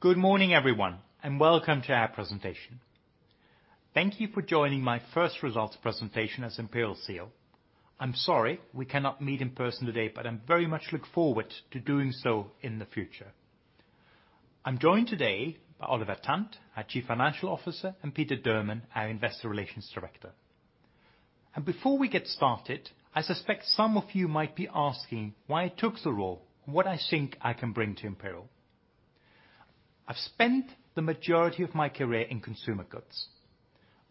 Good morning, everyone, welcome to our presentation. Thank you for joining my first results presentation as Imperial's CEO. I'm sorry we cannot meet in person today, I very much look forward to doing so in the future. I'm joined today by Oliver Tant, our Chief Financial Officer, and Peter Durman, our Investor Relations Director. Before we get started, I suspect some of you might be asking why I took the role and what I think I can bring to Imperial. I've spent the majority of my career in consumer goods.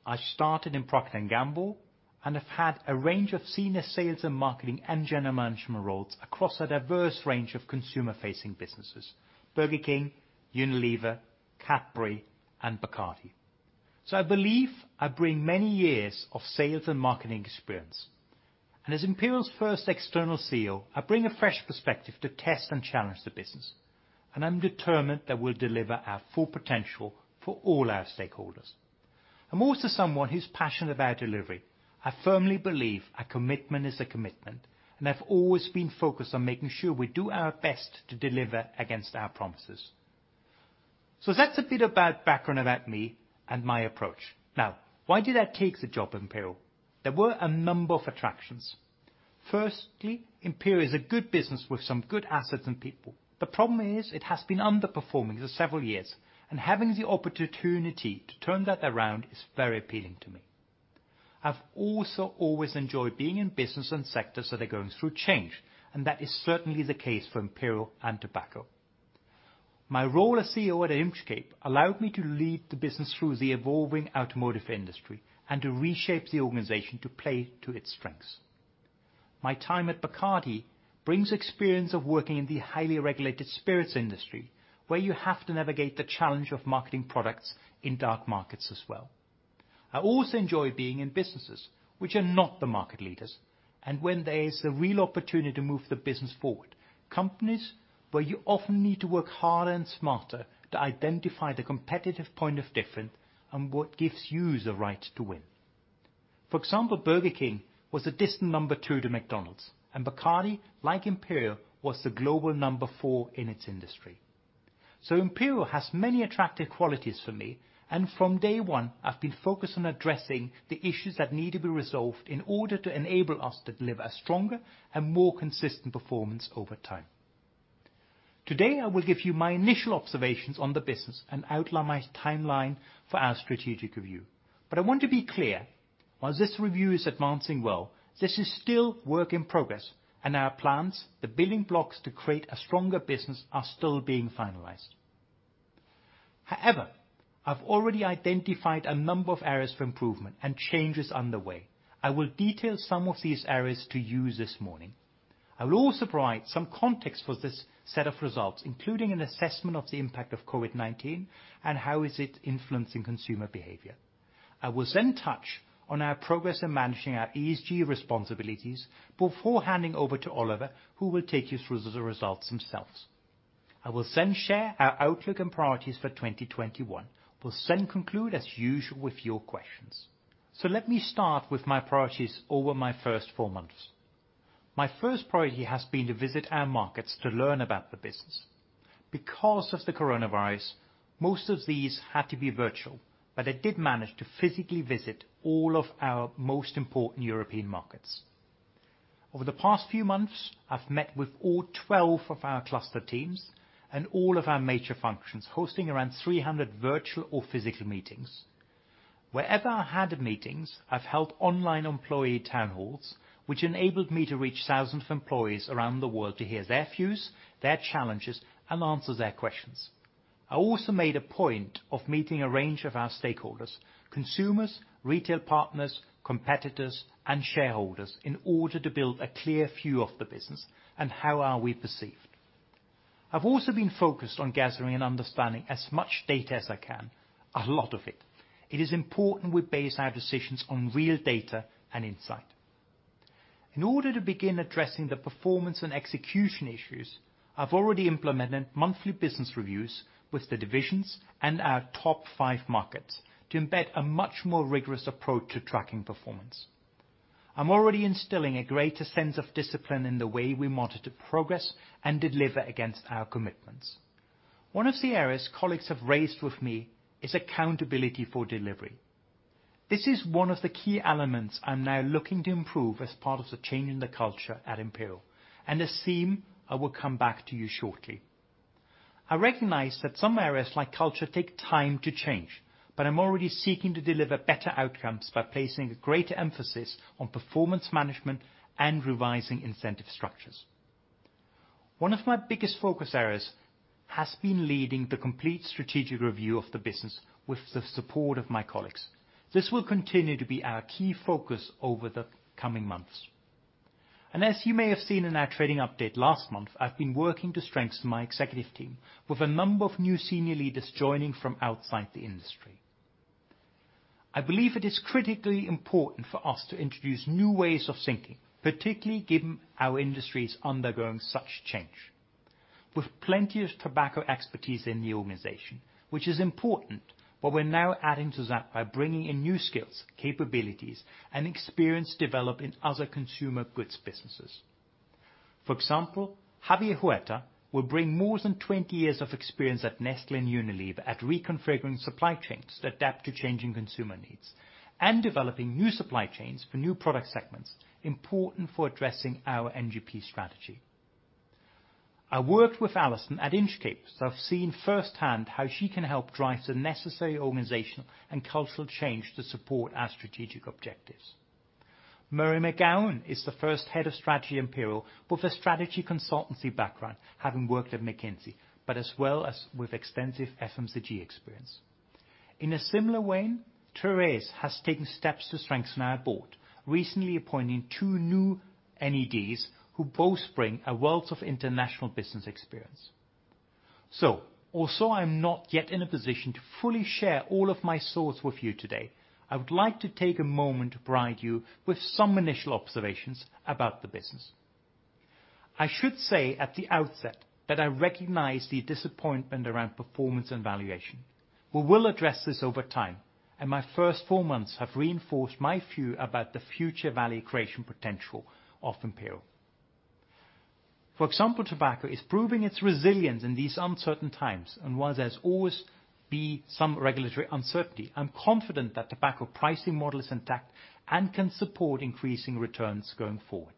I started in Procter & Gamble and have had a range of senior sales and marketing and general management roles across a diverse range of consumer-facing businesses, Burger King, Unilever, Cadbury, and Bacardi. I believe I bring many years of sales and marketing experience. As Imperial's first external CEO, I bring a fresh perspective to test and challenge the business, and I'm determined that we'll deliver our full potential for all our stakeholders. I'm also someone who's passionate about delivery. I firmly believe a commitment is a commitment, and I've always been focused on making sure we do our best to deliver against our promises. That's a bit about background about me and my approach. Why did I take the job at Imperial? There were a number of attractions. Firstly, Imperial is a good business with some good assets and people. The problem is it has been underperforming for several years, having the opportunity to turn that around is very appealing to me. I've also always enjoyed being in business and sectors that are going through change, that is certainly the case for Imperial and Tobacco. My role as CEO at Inchcape allowed me to lead the business through the evolving automotive industry and to reshape the organization to play to its strengths. My time at Bacardi brings experience of working in the highly regulated spirits industry, where you have to navigate the challenge of marketing products in dark markets as well. I also enjoy being in businesses which are not the market leaders, and when there is a real opportunity to move the business forward, companies where you often need to work harder and smarter to identify the competitive point of difference and what gives you the right to win. For example, Burger King was a distant number two to McDonald's, and Bacardi, like Imperial, was the global number four in its industry. Imperial has many attractive qualities for me, and from day one, I've been focused on addressing the issues that need to be resolved in order to enable us to deliver a stronger and more consistent performance over time. Today, I will give you my initial observations on the business and outline my timeline for our strategic review. I want to be clear, while this review is advancing well, this is still work in progress, and our plans, the building blocks to create a stronger business, are still being finalized. However, I've already identified a number of areas for improvement and changes underway. I will detail some of these areas to you this morning. I will also provide some context for this set of results, including an assessment of the impact of COVID-19 and how is it influencing consumer behavior. I will then touch on our progress in managing our ESG responsibilities before handing over to Oliver, who will take you through the results himself. I will then share our outlook and priorities for 2021. We'll then conclude as usual with your questions. Let me start with my priorities over my first four months. My first priority has been to visit our markets to learn about the business. Because of the coronavirus, most of these had to be virtual, but I did manage to physically visit all of our most important European markets. Over the past few months, I've met with all 12 of our cluster teams and all of our major functions, hosting around 300 virtual or physical meetings. Wherever I had meetings, I've held online employee town halls, which enabled me to reach thousands of employees around the world to hear their views, their challenges, and answer their questions. I also made a point of meeting a range of our stakeholders, consumers, retail partners, competitors, and shareholders in order to build a clear view of the business and how are we perceived. I've also been focused on gathering and understanding as much data as I can. A lot of it. It is important we base our decisions on real data and insight. In order to begin addressing the performance and execution issues, I've already implemented monthly business reviews with the divisions and our top five markets to embed a much more rigorous approach to tracking performance. I'm already instilling a greater sense of discipline in the way we monitor progress and deliver against our commitments. One of the areas colleagues have raised with me is accountability for delivery. This is one of the key elements I'm now looking to improve as part of the change in the culture at Imperial, and a theme I will come back to you shortly. I recognize that some areas like culture take time to change, but I'm already seeking to deliver better outcomes by placing a greater emphasis on performance management and revising incentive structures. One of my biggest focus areas has been leading the complete strategic review of the business with the support of my colleagues. This will continue to be our key focus over the coming months. As you may have seen in our trading update last month, I've been working to strengthen my executive team with a number of new senior leaders joining from outside the industry. I believe it is critically important for us to introduce new ways of thinking, particularly given our industry is undergoing such change. We've plenty of tobacco expertise in the organization, which is important, but we're now adding to that by bringing in new skills, capabilities, and experience developed in other consumer goods businesses. For example, Javier Huerta will bring more than 20 years of experience at Nestlé and Unilever at reconfiguring supply chains to adapt to changing consumer needs and developing new supply chains for new product segments, important for addressing our NGP strategy. I worked with Alison at Inchcape, so I've seen firsthand how she can help drive the necessary organization and cultural change to support our strategic objectives. Murray McGowan is the first Head of Strategy at Imperial with a strategy consultancy background, having worked at McKinsey, but as well as with extensive FMCG experience. In a similar way, Thérèse has taken steps to strengthen our Board, recently appointing two new NEDs, who both bring a wealth of international business experience. Although I'm not yet in a position to fully share all of my thoughts with you today, I would like to take a moment to provide you with some initial observations about the business. I should say at the outset that I recognize the disappointment around performance and valuation. We will address this over time, and my first four months have reinforced my view about the future value creation potential of Imperial. For example, Tobacco is proving its resilience in these uncertain times, and while there will always be some regulatory uncertainty, I'm confident that tobacco pricing model is intact and can support increasing returns going forward.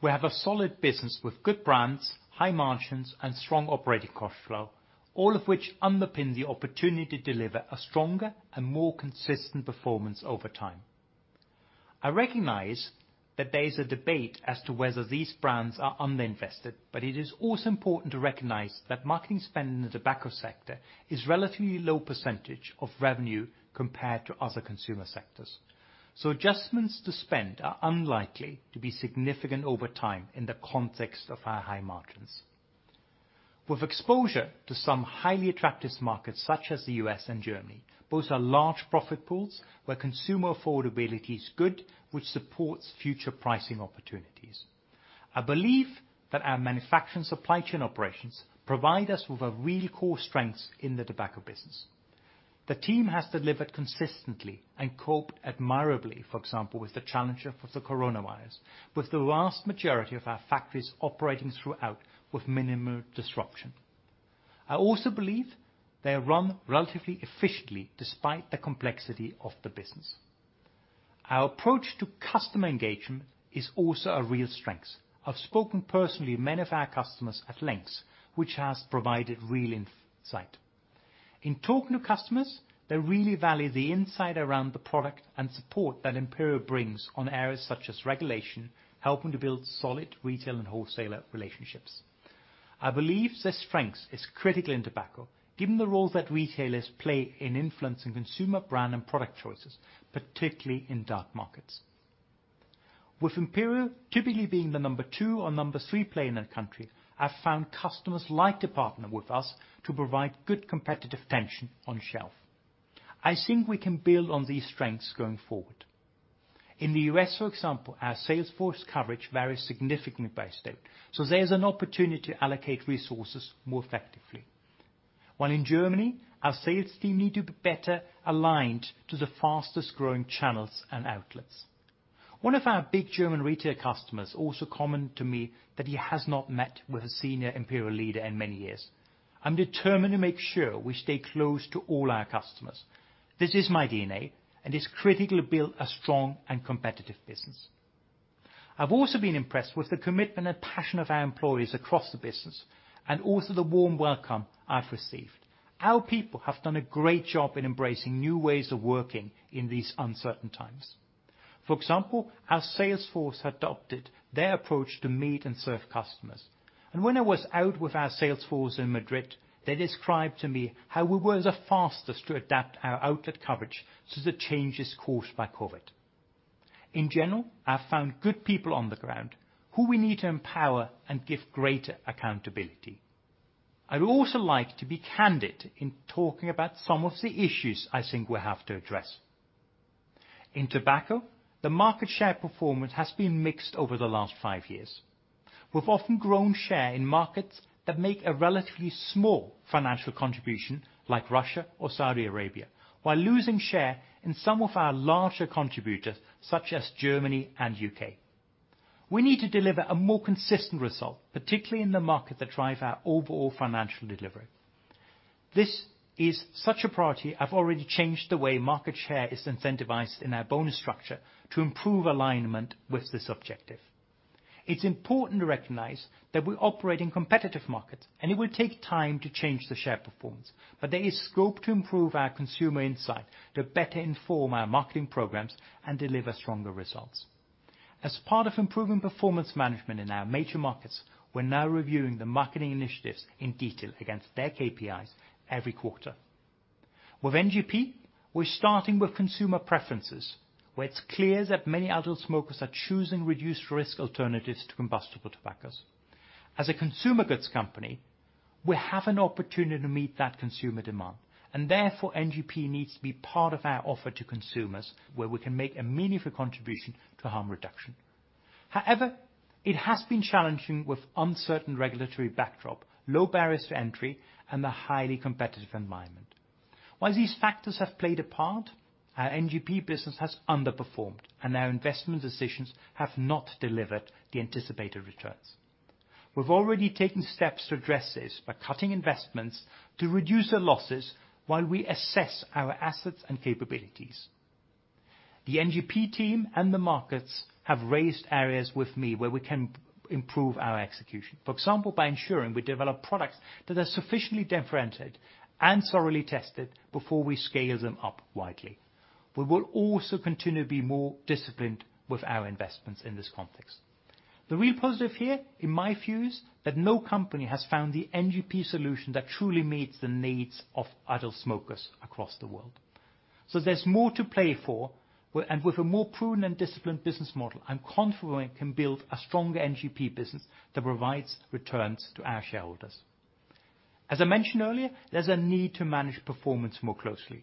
We have a solid business with good brands, high margins, and strong operating cash flow, all of which underpin the opportunity to deliver a stronger and more consistent performance over time. I recognize that there is a debate as to whether these brands are underinvested, but it is also important to recognize that marketing spend in the Tobacco sector is relatively low percentage of revenue compared to other consumer sectors. Adjustments to spend are unlikely to be significant over time in the context of our high margins. With exposure to some highly attractive markets such as the U.S. and Germany, both are large profit pools where consumer affordability is good, which supports future pricing opportunities. I believe that our manufacturing supply chain operations provide us with a real core strength in the Tobacco business. The team has delivered consistently and coped admirably, for example, with the challenge of the coronavirus, with the vast majority of our factories operating throughout with minimal disruption. I also believe they are run relatively efficiently despite the complexity of the business. Our approach to customer engagement is also a real strength. I've spoken personally with many of our customers at length, which has provided real insight. In talking to customers, they really value the insight around the product and support that Imperial brings on areas such as regulation, helping to build solid retail and wholesaler relationships. I believe this strength is critical in tobacco, given the role that retailers play in influencing consumer brand and product choices, particularly in dark markets. With Imperial typically being the number two or number three player in a country, I've found customers like to partner with us to provide good competitive tension on shelf. I think we can build on these strengths going forward. In the U.S., for example, our sales force coverage varies significantly by state, so there's an opportunity to allocate resources more effectively. While in Germany, our sales team need to be better aligned to the fastest-growing channels and outlets. One of our big German retail customers also commented to me that he has not met with a senior Imperial leader in many years. I'm determined to make sure we stay close to all our customers. This is my DNA, and it's critical to build a strong and competitive business. I've also been impressed with the commitment and passion of our employees across the business, and also the warm welcome I've received. Our people have done a great job in embracing new ways of working in these uncertain times. For example, our sales force adopted their approach to meet and serve customers. When I was out with our sales force in Madrid, they described to me how we were the fastest to adapt our outlet coverage to the changes caused by COVID. In general, I've found good people on the ground who we need to empower and give greater accountability. I would also like to be candid in talking about some of the issues I think we have to address. In Tobacco, the market share performance has been mixed over the last five years. We've often grown share in markets that make a relatively small financial contribution, like Russia or Saudi Arabia, while losing share in some of our larger contributors, such as Germany and U.K. We need to deliver a more consistent result, particularly in the markets that drive our overall financial delivery. This is such a priority, I've already changed the way market share is incentivized in our bonus structure to improve alignment with this objective. It's important to recognize that we operate in competitive markets, and it will take time to change the share performance, but there is scope to improve our consumer insight to better inform our marketing programs and deliver stronger results. As part of improving performance management in our major markets, we're now reviewing the marketing initiatives in detail against their KPIs every quarter. With NGP, we're starting with consumer preferences, where it's clear that many adult smokers are choosing reduced risk alternatives to combustible tobaccos. As a consumer goods company, we have an opportunity to meet that consumer demand. Therefore, NGP needs to be part of our offer to consumers where we can make a meaningful contribution to harm reduction. However, it has been challenging with uncertain regulatory backdrop, low barriers to entry, and a highly competitive environment. While these factors have played a part, our NGP business has underperformed and our investment decisions have not delivered the anticipated returns. We've already taken steps to address this by cutting investments to reduce the losses while we assess our assets and capabilities. The NGP team and the markets have raised areas with me where we can improve our execution. For example, by ensuring we develop products that are sufficiently differentiated and thoroughly tested before we scale them up widely. We will also continue to be more disciplined with our investments in this context. The real positive here, in my view, is that no company has found the NGP solution that truly meets the needs of adult smokers across the world. There's more to play for. With a more prudent and disciplined business model, I'm confident we can build a stronger NGP business that provides returns to our shareholders. As I mentioned earlier, there's a need to manage performance more closely.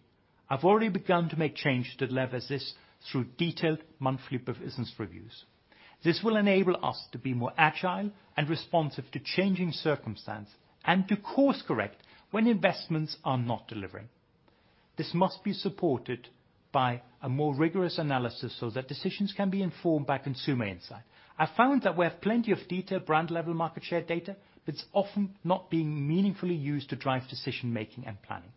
I've already begun to make changes to leverage this through detailed monthly business reviews. This will enable us to be more agile and responsive to changing circumstance and to course-correct when investments are not delivering. This must be supported by a more rigorous analysis so that decisions can be informed by consumer insight. I found that we have plenty of detailed brand-level market share data that's often not being meaningfully used to drive decision-making and planning.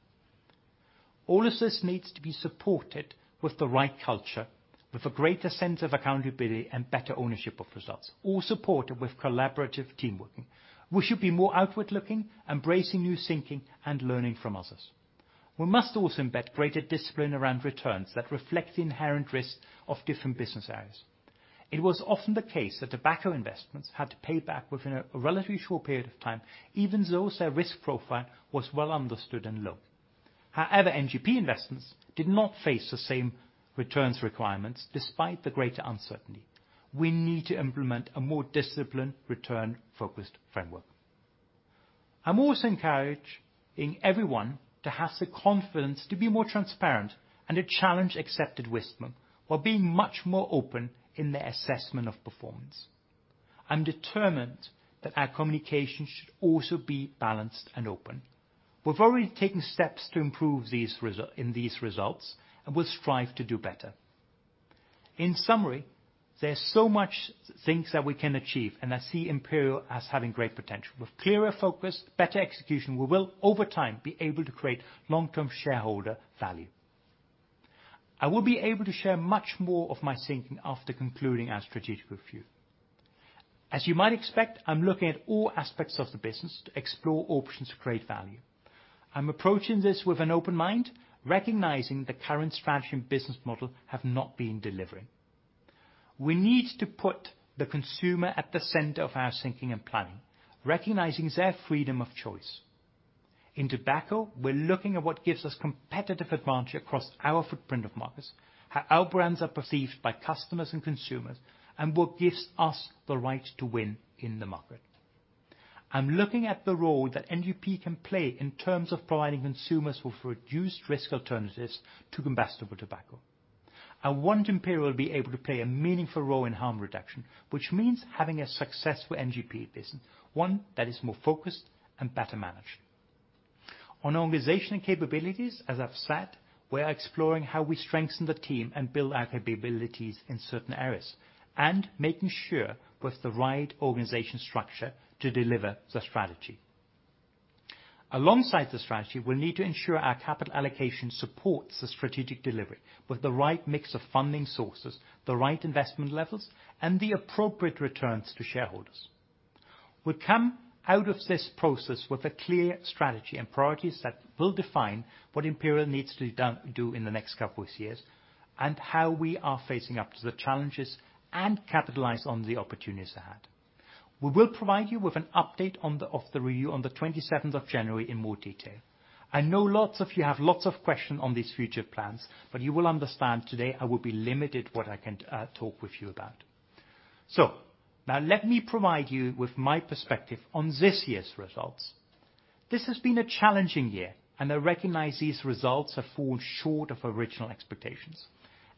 All of this needs to be supported with the right culture, with a greater sense of accountability and better ownership of results, all supported with collaborative team working. We should be more outward-looking, embracing new thinking, and learning from others. We must also embed greater discipline around returns that reflect the inherent risks of different business areas. It was often the case that tobacco investments had to pay back within a relatively short period of time, even though their risk profile was well understood and low. However, NGP investments did not face the same returns requirements despite the greater uncertainty. We need to implement a more disciplined, return-focused framework. I'm also encouraging everyone to have the confidence to be more transparent and to challenge accepted wisdom while being much more open in their assessment of performance. I'm determined that our communication should also be balanced and open. We've already taken steps to improve in these results and will strive to do better. In summary, there's so much things that we can achieve, and I see Imperial as having great potential. With clearer focus, better execution, we will over time be able to create long-term shareholder value. I will be able to share much more of my thinking after concluding our strategic review. As you might expect, I'm looking at all aspects of the business to explore options to create value. I'm approaching this with an open mind, recognizing the current strategy and business model have not been delivering. We need to put the consumer at the center of our thinking and planning, recognizing their freedom of choice. In Tobacco, we're looking at what gives us competitive advantage across our footprint of markets, how our brands are perceived by customers and consumers, and what gives us the right to win in the market. I'm looking at the role that NGP can play in terms of providing consumers with reduced risk alternatives to combustible tobacco. I want Imperial to be able to play a meaningful role in harm reduction, which means having a successful NGP business, one that is more focused and better managed. On organization and capabilities, as I've said, we're exploring how we strengthen the team and build our capabilities in certain areas and making sure with the right organization structure to deliver the strategy. Alongside the strategy, we need to ensure our capital allocation supports the strategic delivery with the right mix of funding sources, the right investment levels, and the appropriate returns to shareholders. We come out of this process with a clear strategy and priorities that will define what Imperial needs to do in the next couple of years and how we are facing up to the challenges and capitalize on the opportunities ahead. We will provide you with an update of the review on the 27th of January in more detail. I know lots of you have lots of questions on these future plans, but you will understand today I will be limited what I can talk with you about. Now let me provide you with my perspective on this year's results. This has been a challenging year, and I recognize these results have fallen short of original expectations.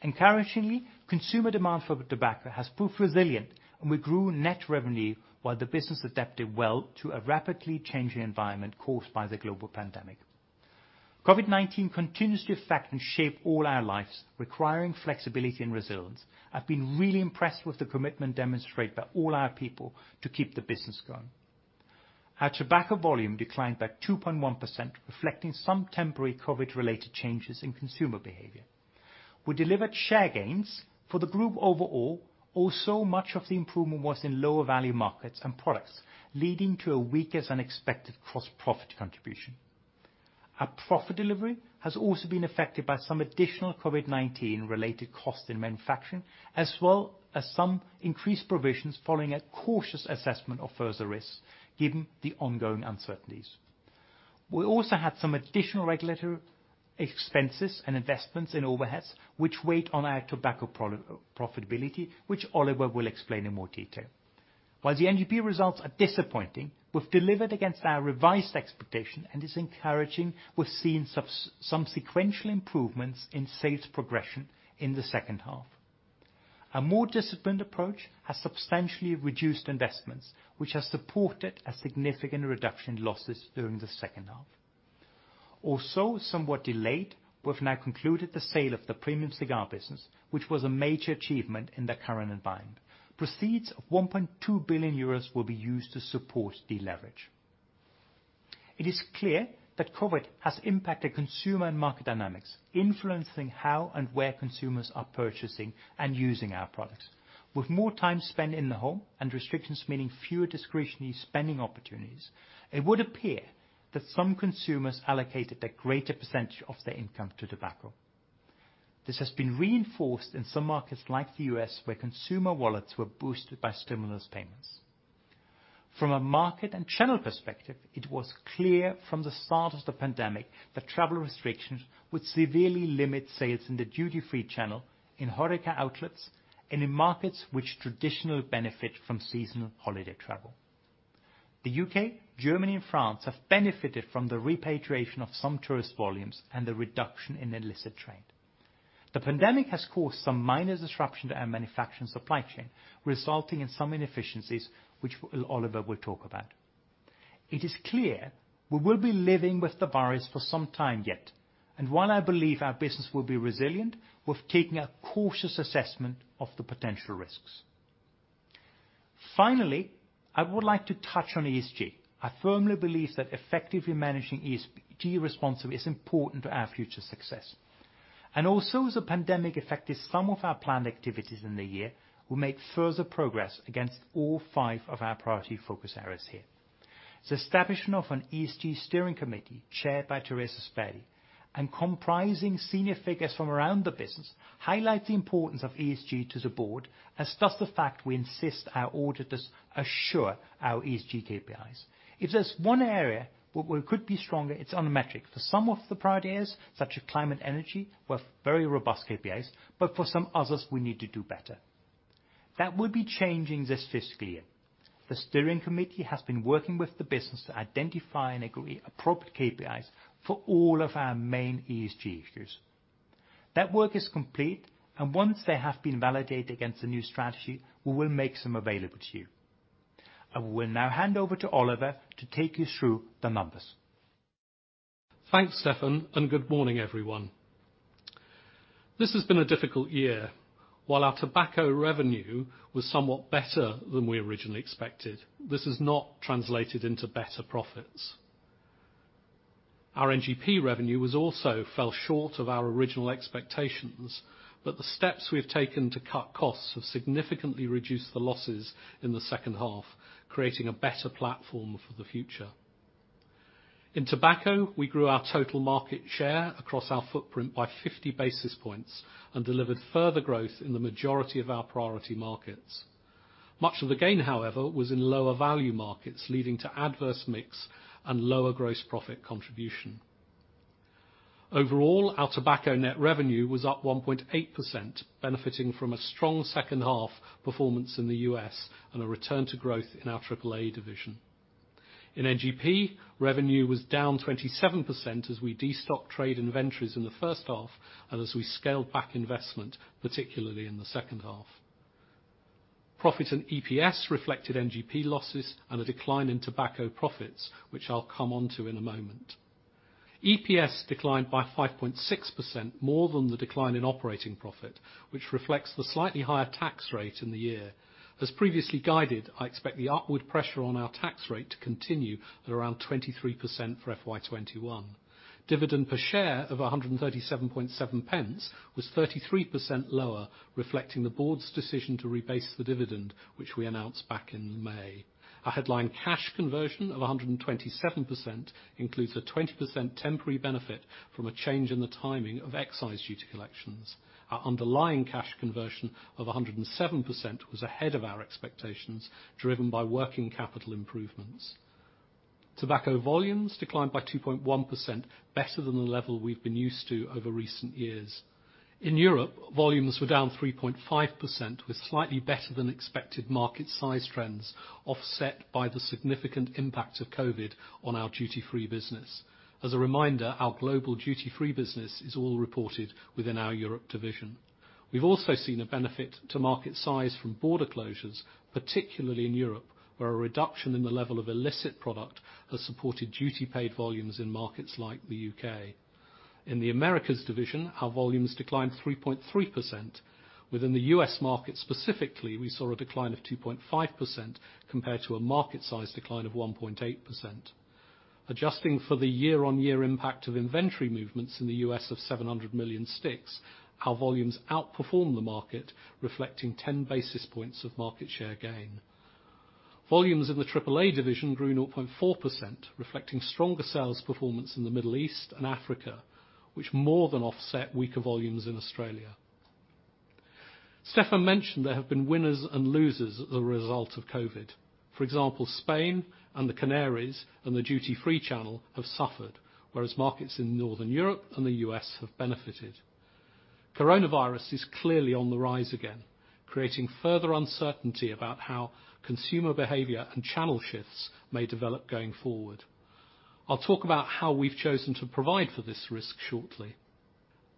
Encouragingly, consumer demand for tobacco has proved resilient, and we grew net revenue while the business adapted well to a rapidly changing environment caused by the global pandemic. COVID-19 continues to affect and shape all our lives, requiring flexibility and resilience. I've been really impressed with the commitment demonstrated by all our people to keep the business going. Our tobacco volume declined by 2.1%, reflecting some temporary COVID-related changes in consumer behavior. We delivered share gains for the group overall, also much of the improvement was in lower value markets and products, leading to a weaker than expected gross profit contribution. Our profit delivery has also been affected by some additional COVID-19 related costs in manufacturing, as well as some increased provisions following a cautious assessment of further risks, given the ongoing uncertainties. We also had some additional regulatory expenses and investments in overheads which weighed on our tobacco profitability, which Oliver will explain in more detail. While the NGP results are disappointing, we've delivered against our revised expectation, and it's encouraging we've seen some sequential improvements in sales progression in the second half. A more disciplined approach has substantially reduced investments, which has supported a significant reduction in losses during the second half. Also, somewhat delayed, we've now concluded the sale of the premium cigar business, which was a major achievement in the current environment. Proceeds of 1.2 billion euros will be used to support deleverage. It is clear that COVID has impacted consumer and market dynamics, influencing how and where consumers are purchasing and using our products. With more time spent in the home and restrictions meaning fewer discretionary spending opportunities, it would appear that some consumers allocated a greater percentage of their income to tobacco. This has been reinforced in some markets like the U.S., where consumer wallets were boosted by stimulus payments. From a market and channel perspective, it was clear from the start of the pandemic that travel restrictions would severely limit sales in the duty-free channel, in HORECA outlets, and in markets which traditionally benefit from seasonal holiday travel. The U.K., Germany, and France have benefited from the repatriation of some tourist volumes and the reduction in illicit trade. The pandemic has caused some minor disruption to our manufacturing supply chain, resulting in some inefficiencies, which Oliver will talk about. It is clear we will be living with the virus for some time yet, and while I believe our business will be resilient, we're taking a cautious assessment of the potential risks. Finally, I would like to touch on ESG. I firmly believe that effectively managing ESG responsibly is important to our future success. Also as the pandemic affected some of our planned activities in the year, we made further progress against all five of our priority focus areas here. The establishment of an ESG steering committee, chaired by Thérèse Esperdy, and comprising senior figures from around the business, highlights the importance of ESG to the board, as does the fact we insist our auditors assure our ESG KPIs. If there's one area where we could be stronger, it's on metrics. For some of the priority areas, such as climate energy, we have very robust KPIs, but for some others, we need to do better. That will be changing this fiscal year. The steering committee has been working with the business to identify and agree appropriate KPIs for all of our main ESG issues. That work is complete, and once they have been validated against the new strategy, we will make some available to you. I will now hand over to Oliver to take you through the numbers. Thanks, Stefan, and good morning, everyone. This has been a difficult year. While our tobacco revenue was somewhat better than we originally expected, this has not translated into better profits. Our NGP revenue has also fell short of our original expectations, but the steps we've taken to cut costs have significantly reduced the losses in the second half, creating a better platform for the future. In Tobacco, we grew our total market share across our footprint by 50 basis points and delivered further growth in the majority of our priority markets. Much of the gain, however, was in lower value markets, leading to adverse mix and lower gross profit contribution. Overall, our Tobacco net revenue was up 1.8%, benefiting from a strong second half performance in the U.S. and a return to growth in our AAA division. In NGP, revenue was down 27% as we de-stocked trade inventories in the first half and as we scaled back investment, particularly in the second half. Profits and EPS reflected NGP losses and a decline in tobacco profits, which I will come onto in a moment. EPS declined by 5.6%, more than the decline in operating profit, which reflects the slightly higher tax rate in the year. As previously guided, I expect the upward pressure on our tax rate to continue at around 23% for FY 2021. Dividend per share of 1.377 was 33% lower, reflecting the board's decision to rebase the dividend, which we announced back in May. Our headline cash conversion of 127% includes a 20% temporary benefit from a change in the timing of excise duty collections. Our underlying cash conversion of 107% was ahead of our expectations, driven by working capital improvements. Tobacco volumes declined by 2.1%, better than the level we've been used to over recent years. In Europe, volumes were down 3.5%, with slightly better than expected market size trends offset by the significant impact of COVID on our duty-free business. As a reminder, our global duty-free business is all reported within our Europe division. We've also seen a benefit to market size from border closures, particularly in Europe, where a reduction in the level of illicit product has supported duty paid volumes in markets like the U.K. In the Americas division, our volumes declined 3.3%. Within the U.S. market specifically, we saw a decline of 2.5%, compared to a market size decline of 1.8%. Adjusting for the year-on-year impact of inventory movements in the U.S. of 700 million sticks, our volumes outperformed the market, reflecting 10 basis points of market share gain. Volumes in the AAA division grew 0.4%, reflecting stronger sales performance in the Middle East and Africa, which more than offset weaker volumes in Australia. Stefan mentioned there have been winners and losers as a result of COVID. For example, Spain and the Canaries and the duty-free channel have suffered, whereas markets in Northern Europe and the U.S. have benefited. Coronavirus is clearly on the rise again, creating further uncertainty about how consumer behavior and channel shifts may develop going forward. I'll talk about how we've chosen to provide for this risk shortly.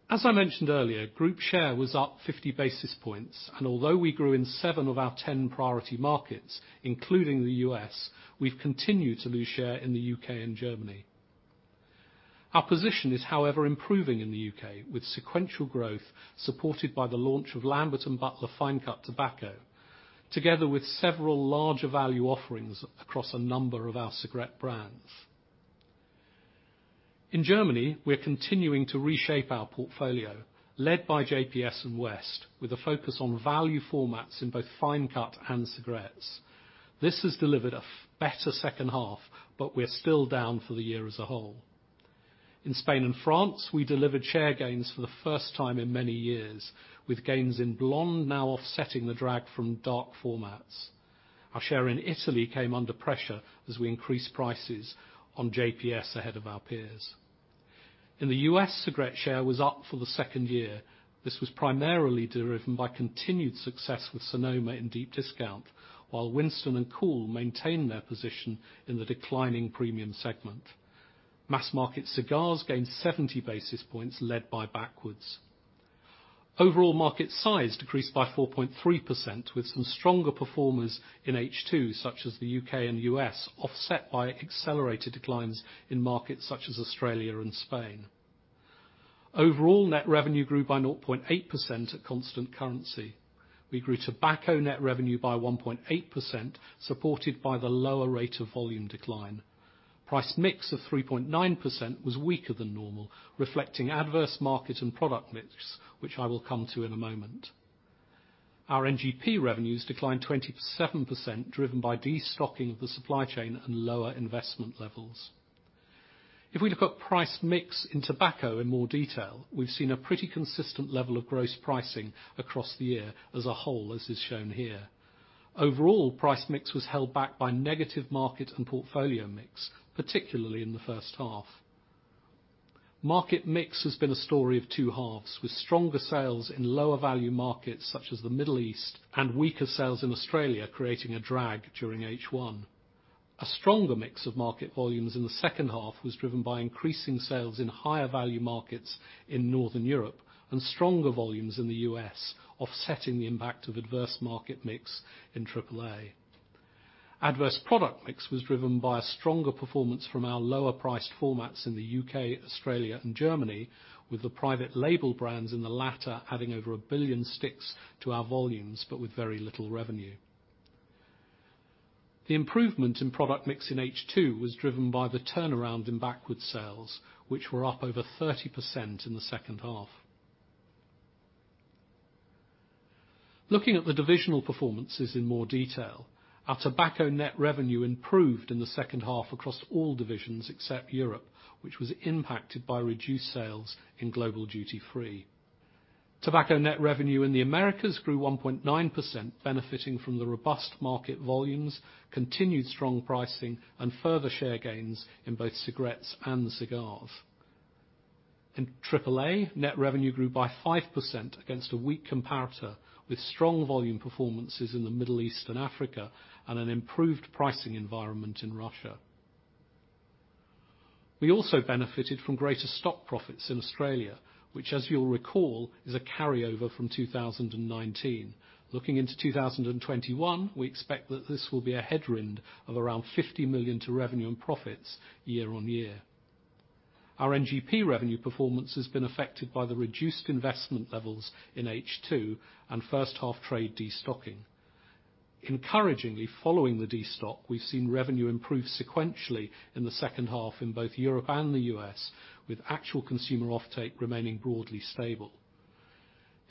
As I mentioned earlier, group share was up 50 basis points, and although we grew in seven of our 10 priority markets, including the U.S., we've continued to lose share in the U.K. and Germany. Our position is however, improving in the U.K. with sequential growth supported by the launch of Lambert & Butler fine cut tobacco, together with several larger value offerings across a number of our cigarette brands. In Germany, we are continuing to reshape our portfolio, led by JPS, West, with a focus on value formats in both fine cut and cigarettes. This has delivered a better second half, but we're still down for the year as a whole. In Spain and France, we delivered share gains for the first time in many years, with gains in blonde now offsetting the drag from dark formats. Our share in Italy came under pressure as we increased prices on JPS ahead of our peers. In the U.S., cigarette share was up for the second year. This was primarily driven by continued success with Sonoma in deep discount, while Winston and Kool maintained their position in the declining premium segment. Mass market cigars gained 70 basis points led by Backwoods. Overall market size decreased by 4.3%, with some stronger performers in H2, such as the U.K. and U.S., offset by accelerated declines in markets such as Australia and Spain. Overall net revenue grew by 0.8% at constant currency. We grew tobacco net revenue by 1.8%, supported by the lower rate of volume decline. Price mix of 3.9% was weaker than normal, reflecting adverse market and product mix, which I will come to in a moment. Oor NGP revenues declined 27%, driven by destocking of the supply chain and lower investment levels. If we look at price mix in tobacco in more detail, we've seen a pretty consistent level of gross pricing across the year as a whole, as is shown here. Overall, price mix was held back by negative market and portfolio mix, particularly in the first half. Market mix has been a story of two halves, with stronger sales in lower value markets such as the Middle East, and weaker sales in Australia creating a drag during H1. A stronger mix of market volumes in the second half was driven by increasing sales in higher value markets in Northern Europe, and stronger volumes in the U.S. offsetting the impact of adverse market mix in AAA. Adverse product mix was driven by a stronger performance from our lower priced formats in the U.K., Australia, and Germany, with the private label brands in the latter adding over 1 billion sticks to our volumes, but with very little revenue. The improvement in product mix in H2 was driven by the turnaround in Backwoods sales, which were up over 30% in the second half. Looking at the divisional performances in more detail, our Tobacco net revenue improved in the second half across all divisions except Europe, which was impacted by reduced sales in global duty free. Tobacco net revenue in the Americas grew 1.9%, benefiting from the robust market volumes, continued strong pricing, and further share gains in both cigarettes and cigars. In AAA, net revenue grew by 5% against a weak comparator, with strong volume performances in the Middle East and Africa, and an improved pricing environment in Russia. We also benefited from greater stock profits in Australia, which, as you'll recall, is a carryover from 2019. Looking into 2021, we expect that this will be a headwind of around 50 million to revenue and profits year-on-year. Our NGP revenue performance has been affected by the reduced investment levels in H2, and first half trade destocking. Encouragingly, following the destock, we've seen revenue improve sequentially in the second half in both Europe and the U.S., with actual consumer offtake remaining broadly stable.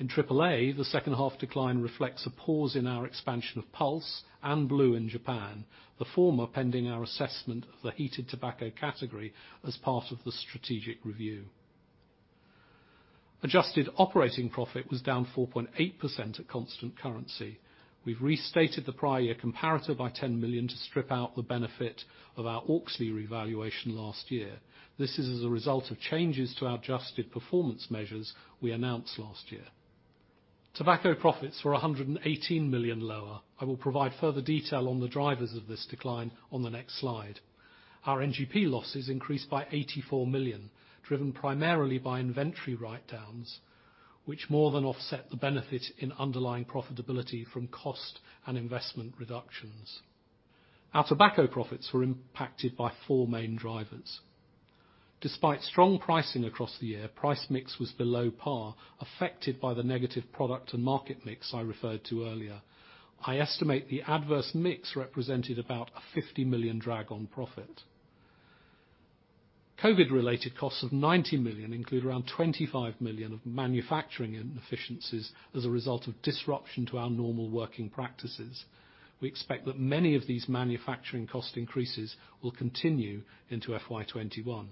In AAA, the second half decline reflects a pause in our expansion of Pulze and blu in Japan, the former pending our assessment of the Heated Tobacco category as part of the strategic review. Adjusted operating profit was down 4.8% at constant currency. We've restated the prior year comparator by 10 million to strip out the benefit of our Auxly revaluation last year. This is as a result of changes to our adjusted performance measures we announced last year. Tobacco profits were 118 million lower. I will provide further detail on the drivers of this decline on the next slide. Our NGP losses increased by 84 million, driven primarily by inventory write-downs, which more than offset the benefit in underlying profitability from cost and investment reductions. Our Tobacco profits were impacted by four main drivers. Despite strong pricing across the year, price mix was below par, affected by the negative product and market mix I referred to earlier. I estimate the adverse mix represented about a 50 million drag on profit. COVID related costs of 90 million include around 25 million of manufacturing inefficiencies as a result of disruption to our normal working practices. We expect that many of these manufacturing cost increases will continue into FY 2021.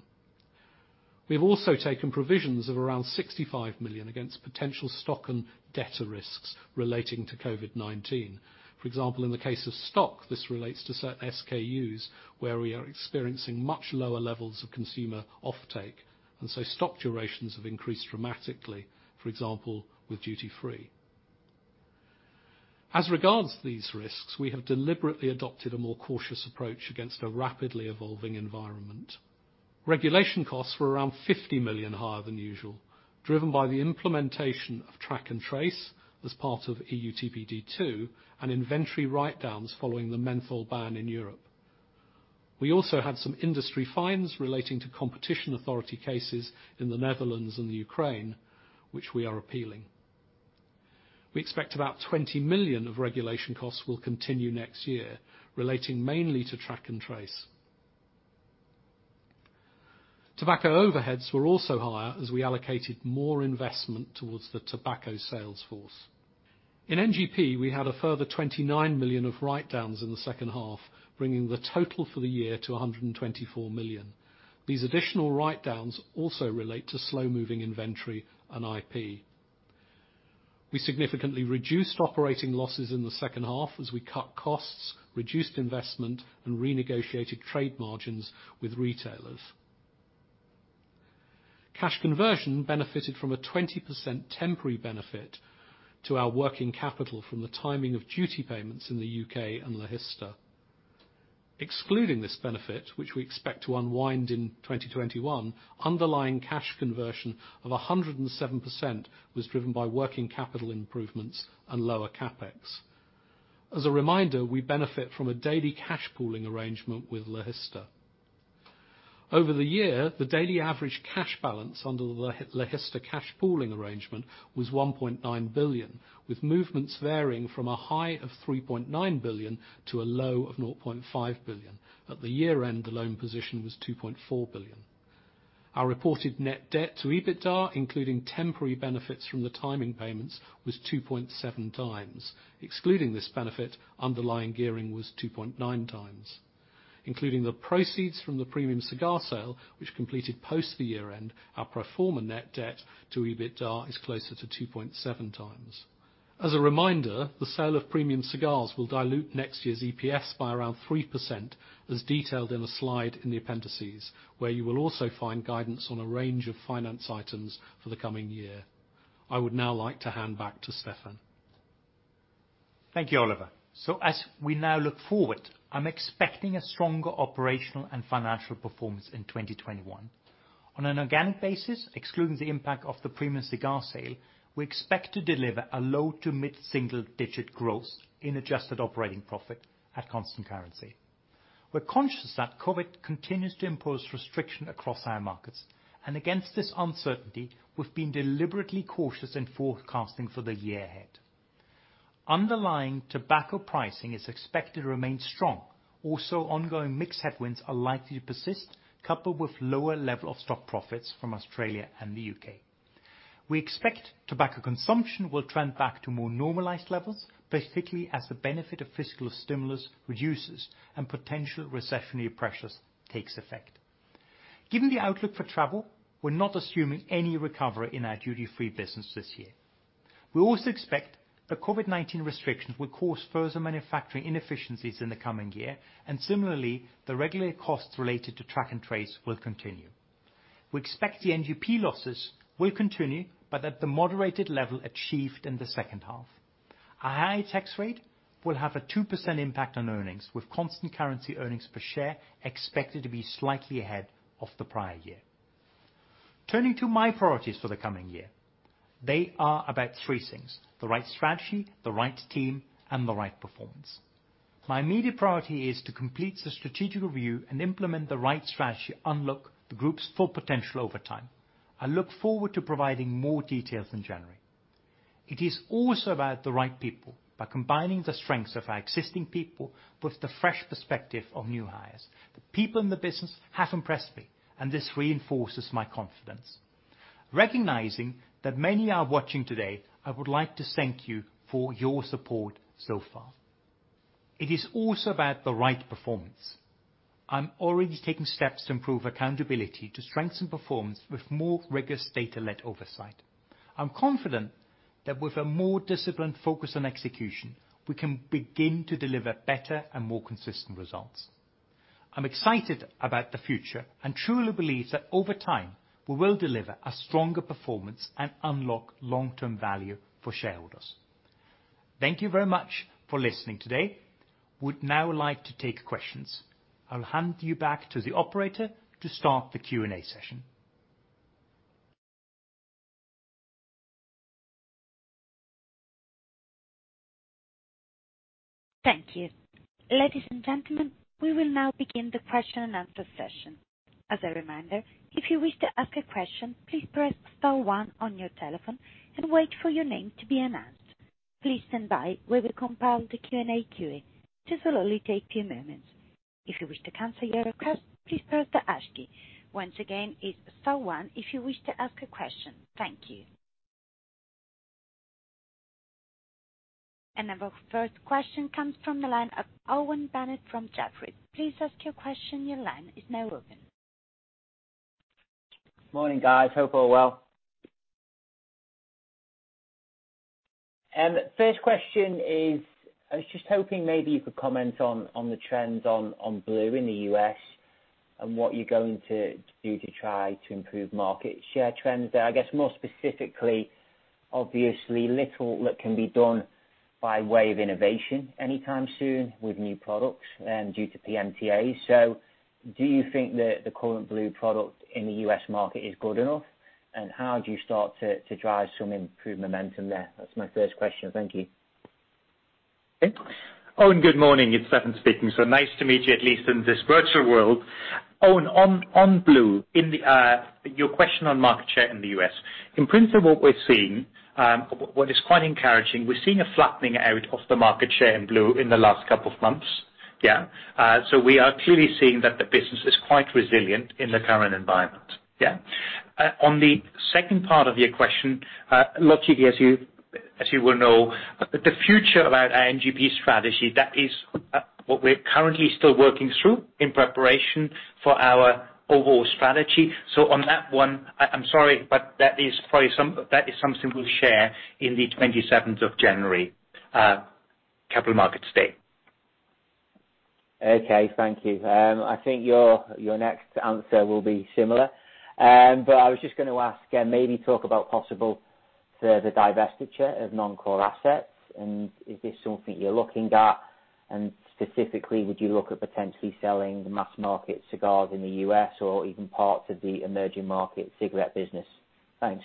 We have also taken provisions of around 65 million against potential stock and debtor risks relating to COVID-19. For example, in the case of stock, this relates to certain SKUs where we are experiencing much lower levels of consumer offtake, and so stock durations have increased dramatically, for example, with duty free. As regards these risks, we have deliberately adopted a more cautious approach against a rapidly evolving environment. Regulation costs were around 50 million higher than usual, driven by the implementation of Track and Trace as part of EU TPD2 and inventory write-downs following the menthol ban in Europe. We also had some industry fines relating to competition authority cases in the Netherlands and the Ukraine, which we are appealing. We expect about 20 million of regulation costs will continue next year, relating mainly to Track and Trace. Tobacco overheads were also higher as we allocated more investment towards the tobacco sales force. In NGP, we had a further 29 million of write-downs in the second half, bringing the total for the year to 124 million. These additional write-downs also relate to slow-moving inventory and IP. We significantly reduced operating losses in the second half as we cut costs, reduced investment, and renegotiated trade margins with retailers. Cash conversion benefited from a 20% temporary benefit to our working capital from the timing of duty payments in the U.K. and the Logista. Excluding this benefit, which we expect to unwind in 2021, underlying cash conversion of 107% was driven by working capital improvements and lower CapEx. As a reminder, we benefit from a daily cash pooling arrangement with Logista. Over the year, the daily average cash balance under the Logista cash pooling arrangement was 1.9 billion, with movements varying from a high of 3.9 billion to a low of 0.5 billion. At the year-end, the loan position was 2.4 billion. Our reported net debt to EBITDA, including temporary benefits from the timing payments, was 2.7x. Excluding this benefit, underlying gearing was 2.9x. Including the proceeds from the premium cigar sale, which completed post the year-end, our pro forma net debt to EBITDA is closer to 2.7x. As a reminder, the sale of premium cigars will dilute next year's EPS by around 3%, as detailed in a slide in the appendices, where you will also find guidance on a range of finance items for the coming year. I would now like to hand back to Stefan. Thank you, Oliver. As we now look forward, I'm expecting a stronger operational and financial performance in 2021. On an organic basis, excluding the impact of the premium cigar sale, we expect to deliver a low to mid-single digit growth in adjusted operating profit at constant currency. We're conscious that COVID continues to impose restriction across our markets, and against this uncertainty, we've been deliberately cautious in forecasting for the year ahead. Underlying tobacco pricing is expected to remain strong. Also, ongoing mix headwinds are likely to persist, coupled with lower level of stock profits from Australia and the U.K. We expect tobacco consumption will trend back to more normalized levels, particularly as the benefit of fiscal stimulus reduces and potential recessionary pressures takes effect. Given the outlook for travel, we're not assuming any recovery in our duty-free business this year. We also expect that COVID-19 restrictions will cause further manufacturing inefficiencies in the coming year, and similarly, the regular costs related to Track and Trace will continue. We expect the NGP losses will continue, but at the moderated level achieved in the second half. A high tax rate will have a 2% impact on earnings, with constant currency earnings per share expected to be slightly ahead of the prior year. Turning to my priorities for the coming year, they are about three things: the right strategy, the right team, and the right performance. My immediate priority is to complete the strategic review and implement the right strategy, unlock the group's full potential over time. I look forward to providing more details in January. It is also about the right people, by combining the strengths of our existing people with the fresh perspective of new hires. The people in the business have impressed me, and this reinforces my confidence. Recognizing that many are watching today, I would like to thank you for your support so far. It is also about the right performance. I'm already taking steps to improve accountability to strengthen performance with more rigorous data-led oversight. I'm confident that with a more disciplined focus on execution, we can begin to deliver better and more consistent results. I'm excited about the future and truly believe that over time, we will deliver a stronger performance and unlock long-term value for shareholders. Thank you very much for listening today. Would now like to take questions. I'll hand you back to the operator to start the Q&A session. Thank you. Ladies and gentlemen, we will now begin the question and answer session. As a reminder, if you wish to ask a question, please press star one on your telephone and wait for your name to be announced. Thank you. Our first question comes from the line of Owen Bennett from Jefferies. Please ask your question. Your line is now open. Morning, guys. Hope all well. First question is, I was just hoping maybe you could comment on the trends on blu in the U.S. and what you're going to do to try to improve market share trends there. I guess more specifically, obviously little that can be done by way of innovation anytime soon with new products, due to PMTA. Do you think that the current blu product in the U.S. market is good enough? How do you start to drive some improved momentum there? That's my first question. Thank you. Owen, good morning. It's Stefan speaking. Nice to meet you, at least in this virtual world. Owen, on blu, your question on market share in the U.S. In principle, what is quite encouraging, we're seeing a flattening out of the market share in blu in the last couple of months. We are clearly seeing that the business is quite resilient in the current environment. On the second part of your question, logically, as you well know, the future about our NGP strategy, that is what we're currently still working through in preparation for our overall strategy. On that one, I'm sorry, but that is something we'll share in the 27th of January, Capital Markets Day. Okay. Thank you. I think your next answer will be similar. I was just going to ask, maybe talk about possible further divestiture of non-core assets, and is this something you're looking at? Specifically, would you look at potentially selling the mass-market cigars in the U.S. or even parts of the emerging market cigarette business? Thanks.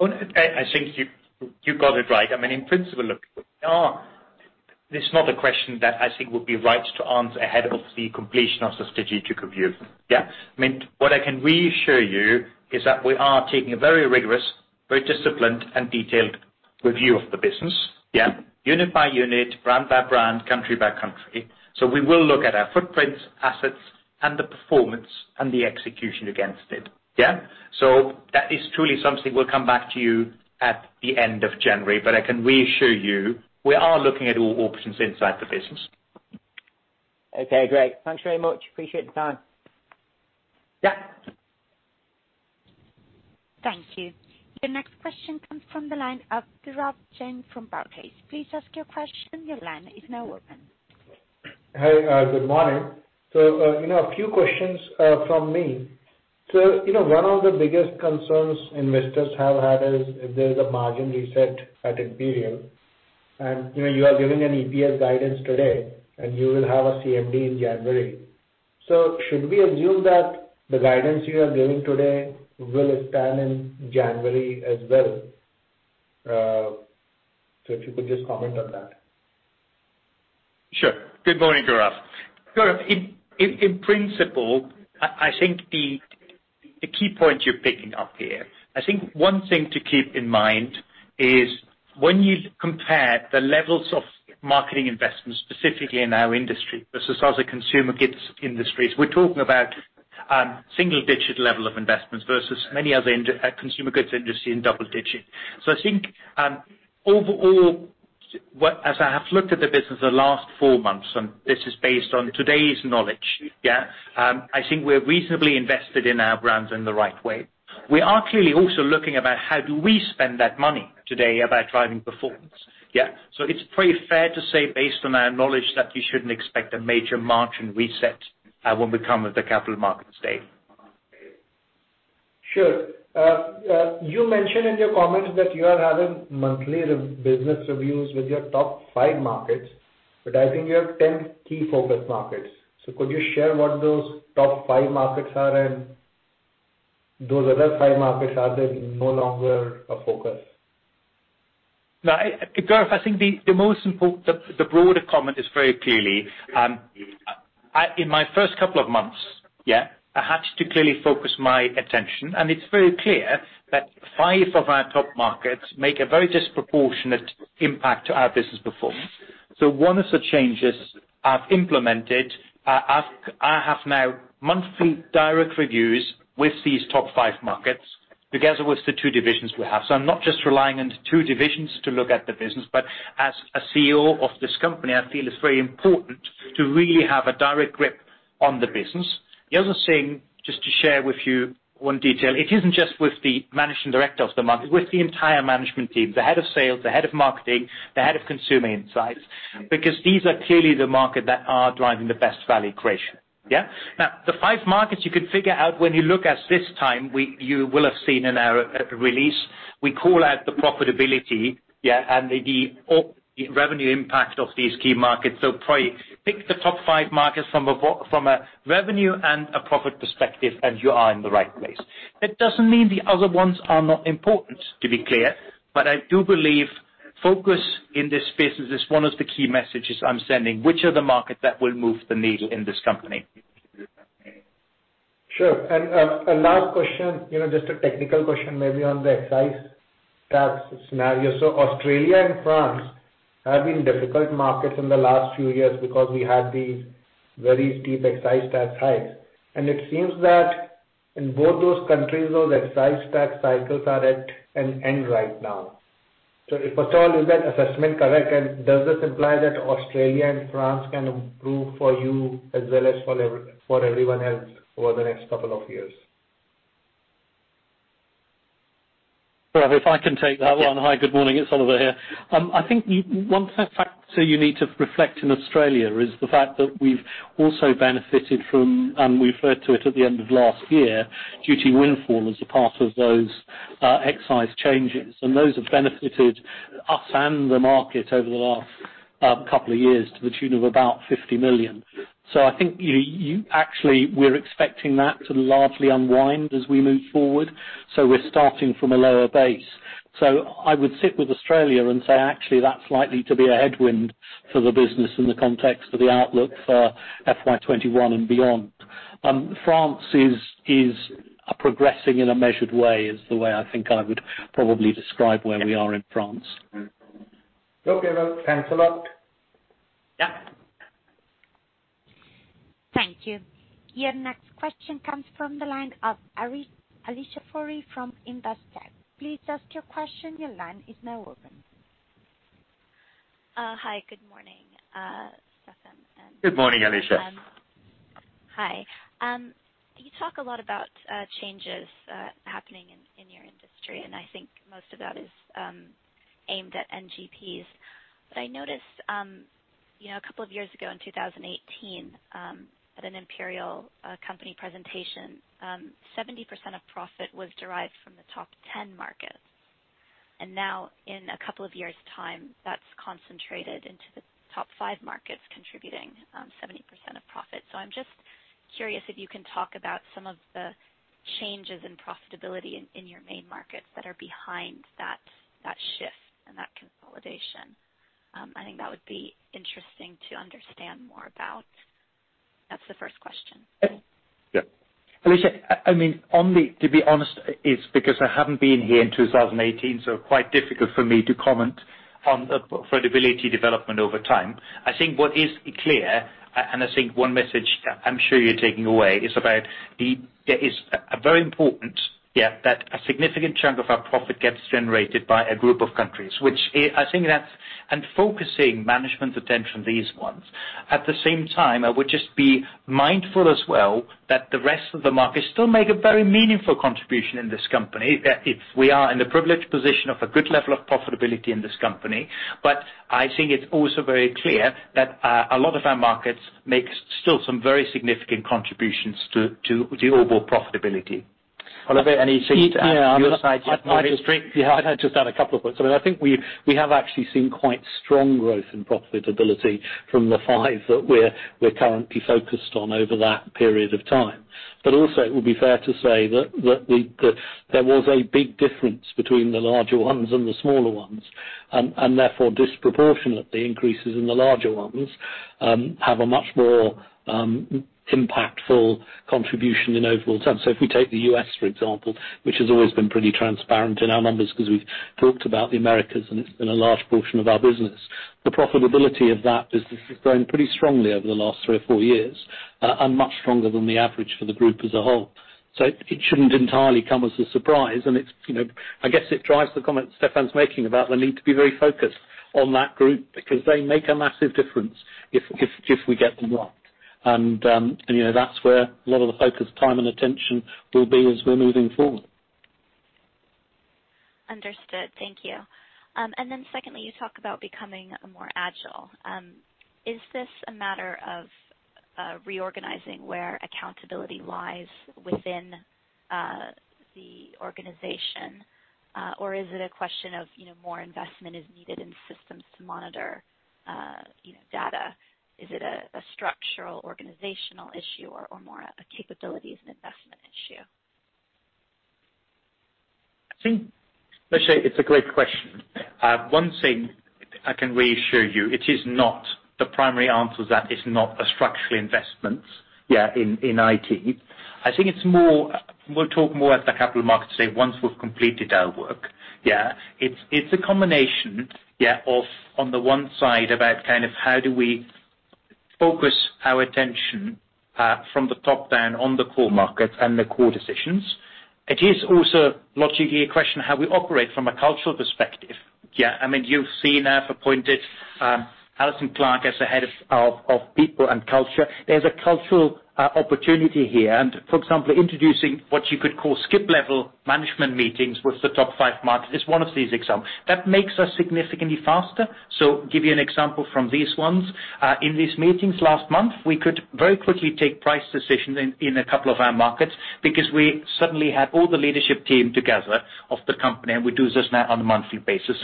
Owen, I think you got it right. In principle, look, this is not a question that I think would be right to answer ahead of the completion of the strategic review. Yeah. What I can reassure you is that we are taking a very rigorous, very disciplined, and detailed review of the business. Unit by unit, brand by brand, country by country. We will look at our footprints, assets, and the performance and the execution against it. Yeah. That is truly something we'll come back to you at the end of January, but I can reassure you, we are looking at all options inside the business. Okay, great. Thanks very much. Appreciate the time. Yeah. Thank you. Your next question comes from the line of Gaurav Jain from Barclays. Please ask your question. Your line is now open. Good morning. A few questions from me. One of the biggest concerns investors have had is if there's a margin reset at Imperial, and you are giving an EPS guidance today, and you will have a CMD in January. Should we assume that the guidance you are giving today will stand in January as well? If you could just comment on that. Sure. Good morning, Gaurav. Gaurav, in principle, I think the key point you're picking up here, I think one thing to keep in mind is when you compare the levels of marketing investments, specifically in our industry versus other consumer goods industries, we're talking about single-digit level of investments versus many other consumer goods industry in double digits. I think overall, as I have looked at the business the last four months, and this is based on today's knowledge, yeah, I think we're reasonably invested in our brands in the right way. We are clearly also looking about how do we spend that money today about driving performance. Yeah. It's pretty fair to say, based on our knowledge, that you shouldn't expect a major margin reset when we come with the Capital Markets Day. Sure. You mentioned in your comments that you are having monthly business reviews with your top five markets, but I think you have 10 key focus markets. Could you share what those top five markets are and those other five markets, are they no longer a focus? No. Gaurav, I think the broader comment is very clearly, in my first couple of months, I had to clearly focus my attention, and it's very clear that five of our top markets make a very disproportionate impact to our business performance. One of the changes I've implemented, I have now monthly direct reviews with these top five markets, together with the two divisions we have. I'm not just relying on the two divisions to look at the business, but as a CEO of this company, I feel it's very important to really have a direct grip on the business. The other thing, just to share with you one detail, it isn't just with the managing director of the market, with the entire management team, the head of sales, the head of marketing, the head of consumer insights, because these are clearly the market that are driving the best value creation. Yeah. Now, the five markets you can figure out when you look at this time, you will have seen in our release, we call out the profitability and the revenue impact of these key markets. Probably pick the top five markets from a revenue and a profit perspective, and you are in the right place. It doesn't mean the other ones are not important, to be clear, but I do believe focus in this space is one of the key messages I'm sending, which are the markets that will move the needle in this company. Sure. A last question, just a technical question maybe on the excise tax scenario. Australia and France have been difficult markets in the last few years because we had these very steep excise tax hikes. It seems that in both those countries, those excise tax cycles are at an end right now. First of all, is that assessment correct? Does this imply that Australia and France can improve for you as well as for everyone else over the next couple of years? If I can take that one. Hi, good morning, it's Oliver here. I think one factor you need to reflect in Australia is the fact that we've also benefited from, and we referred to it at the end of last year, duty windfall as a part of those excise changes. Those have benefited us and the market over the last couple of years to the tune of about 50 million. I think actually, we're expecting that to largely unwind as we move forward. We're starting from a lower base. I would sit with Australia and say, actually, that's likely to be a headwind for the business in the context of the outlook for FY 2021 and beyond. France is progressing in a measured way, is the way I think I would probably describe where we are in France. Okay, well, thanks a lot. Yeah. Thank you. Your next question comes from the line of Alicia Forry from Investec. Please ask your question. Hi, good morning, Stefan. Good morning, Alicia. Hi. You talk a lot about changes happening in your industry, and I think most of that is aimed at NGP. I noticed a couple of years ago in 2018, at an Imperial Brands company presentation, 70% of profit was derived from the top 10 markets. Now in a couple of years' time, that's concentrated into the top 5 markets contributing 70% of profit. I'm just curious if you can talk about some of the changes in profitability in your main markets that are behind that shift and that consolidation. I think that would be interesting to understand more about. That's the first question. Yeah. Alicia, to be honest, it's because I haven't been here in 2018, so quite difficult for me to comment on the profitability development over time. I think what is clear, and I think one message I'm sure you're taking away, is about it's very important that a significant chunk of our profit gets generated by a group of countries, and focusing management attention on these ones. At the same time, I would just be mindful as well that the rest of the markets still make a very meaningful contribution in this company. We are in the privileged position of a good level of profitability in this company, but I think it's also very clear that a lot of our markets make still some very significant contributions to the overall profitability. Oliver, anything to add from your side to that point? Yeah. I'd just add a couple of points. I think we have actually seen quite strong growth in profitability from the five that we're currently focused on over that period of time. It would be fair to say that there was a big difference between the larger ones and the smaller ones, and therefore disproportionately, increases in the larger ones have a much more impactful contribution in overall terms. If we take the U.S., for example, which has always been pretty transparent in our numbers because we've talked about the Americas and it's been a large portion of our business, the profitability of that business has grown pretty strongly over the last three or four years, and much stronger than the average for the group as a whole. It shouldn't entirely come as a surprise, and I guess it drives the comment Stefan's making about the need to be very focused on that group because they make a massive difference if we get them right. That's where a lot of the focus, time, and attention will be as we're moving forward. Understood. Thank you. Secondly, you talk about becoming more agile. Is this a matter of reorganizing where accountability lies within the organization? Is it a question of more investment is needed in systems to monitor data? Is it a structural organizational issue or more a capabilities and investment issue? I think, Alicia, it's a great question. One thing I can reassure you, the primary answer is that it's not a structural investment in IT. I think we'll talk more at the capital markets day once we've completed our work. Yeah. It's a combination of, on the one side, about how do we focus our attention from the top down on the core markets and the core decisions. It is also logically a question how we operate from a cultural perspective. You've seen I've appointed Alison Clarke as the head of people and culture. There's a cultural opportunity here. For example, introducing what you could call skip-level management meetings with the top five markets is one of these examples. That makes us significantly faster. Give you an example from these ones. In these meetings last month, we could very quickly take price decisions in a couple of our markets because we suddenly had all the leadership team together of the company, and we do this now on a monthly basis.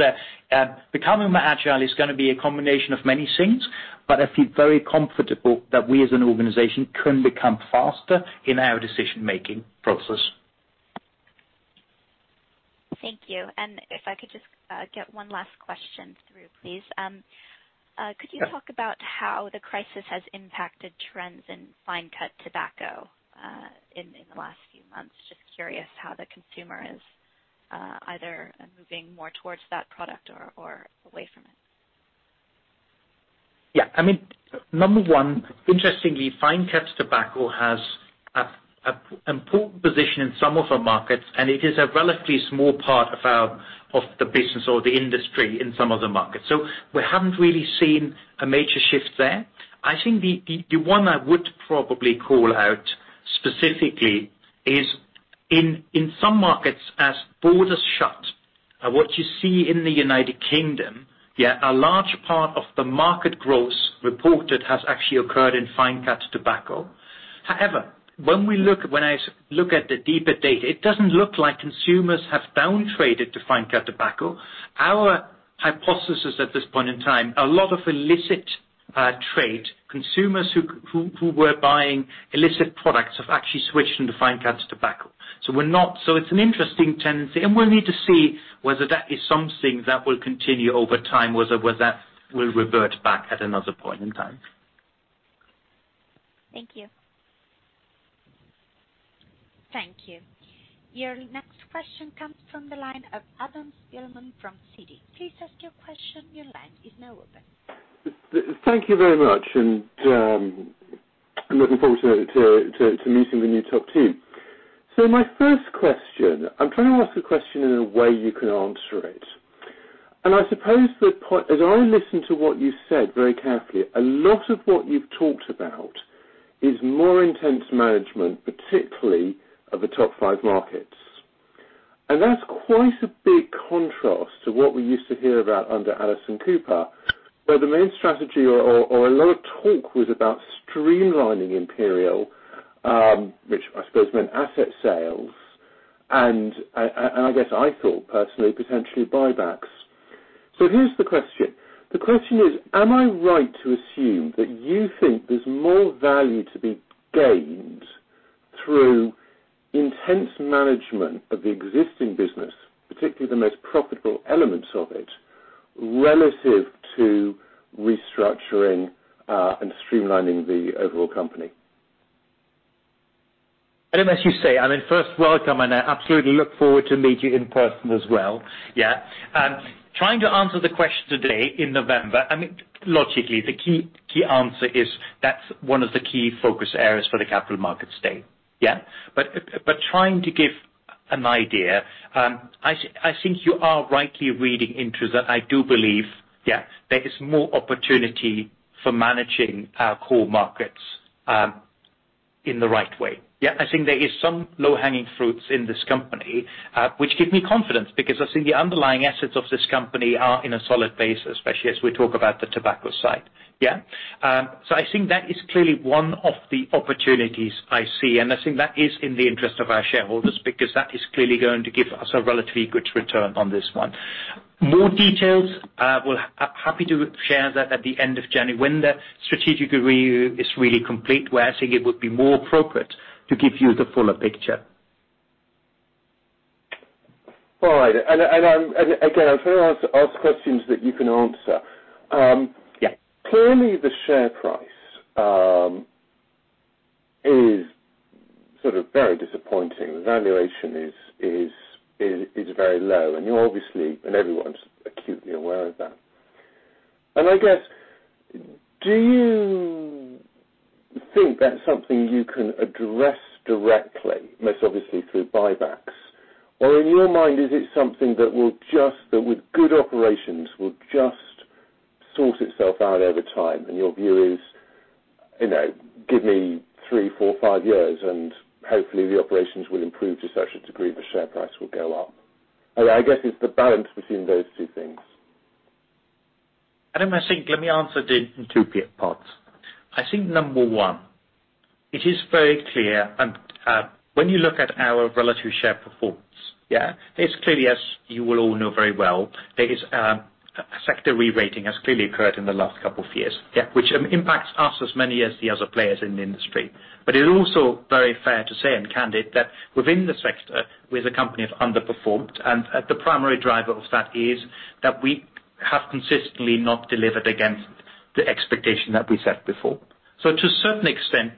Becoming more agile is going to be a combination of many things, but I feel very comfortable that we as an organization can become faster in our decision-making process. Thank you. If I could just get one last question through, please. Could you talk about how the crisis has impacted trends in fine cut tobacco in the last few months? Just curious how the consumer is either moving more towards that product or away from it. Yeah. Number one, interestingly, fine cut tobacco has an important position in some of our markets. It is a relatively small part of the business or the industry in some of the markets. We haven't really seen a major shift there. I think the one I would probably call out specifically is, in some markets as borders shut, what you see in the United Kingdom, yeah, a large part of the market growth reported has actually occurred in fine cut tobacco. However, when I look at the deeper data, it doesn't look like consumers have downtraded to fine cut tobacco. Our hypothesis at this point in time, a lot of illicit trade consumers who were buying illicit products have actually switched into fine cut tobacco. It's an interesting tendency, and we'll need to see whether that is something that will continue over time or whether that will revert back at another point in time. Thank you. Thank you. Your next question comes from the line of Adam Spielman from Citi. Please ask your question. Your line is now open. Thank you very much. I'm looking forward to meeting the new top team. My first question, I'm trying to ask a question in a way you can answer it. I suppose the point, as I listen to what you've said very carefully, a lot of what you've talked about is more intense management, particularly of the top five markets. That's quite a big contrast to what we used to hear about under Alison Cooper, where the main strategy or a lot of talk was about streamlining Imperial, which I suppose meant asset sales and I guess I thought personally, potentially buybacks. Here's the question. The question is, am I right to assume that you think there's more value to be gained through intense management of the existing business, particularly the most profitable elements of it, relative to restructuring and streamlining the overall company? Adam, as you say, first welcome, and I absolutely look forward to meet you in person as well. Yeah. Trying to answer the question today in November, logically, the key answer is that's one of the key focus areas for the Capital Markets Day. Yeah. Trying to give an idea, I think you are rightly reading into that. I do believe, yeah, there is more opportunity for managing our core markets in the right way. Yeah. I think there is some low-hanging fruits in this company, which give me confidence because I think the underlying assets of this company are in a solid place, especially as we talk about the tobacco side. Yeah. I think that is clearly one of the opportunities I see, and I think that is in the interest of our shareholders because that is clearly going to give us a relatively good return on this one. More details, happy to share that at the end of January when the strategic review is really complete, where I think it would be more appropriate to give you the fuller picture. All right. Again, I'm trying to ask questions that you can answer. Clearly the share price is very disappointing. The valuation is very low and you obviously, and everyone's acutely aware of that. I guess, do you think that's something you can address directly, most obviously through buybacks? Or in your mind, is it something that with good operations, will just sort itself out over time and your view is, give me three, four, five years and hopefully the operations will improve to such a degree the share price will go up? I guess it's the balance between those two things. Adam, let me answer in two parts. I think number one, it is very clear and when you look at our relative share performance, yeah, it's clearly, as you will all know very well, there is a sector re-rating has clearly occurred in the last couple of years. Yeah. Which impacts us as many as the other players in the industry. It's also very fair to say, and candid, that within the sector, we as a company have underperformed, and the primary driver of that is that we have consistently not delivered against the expectation that we set before. To a certain extent,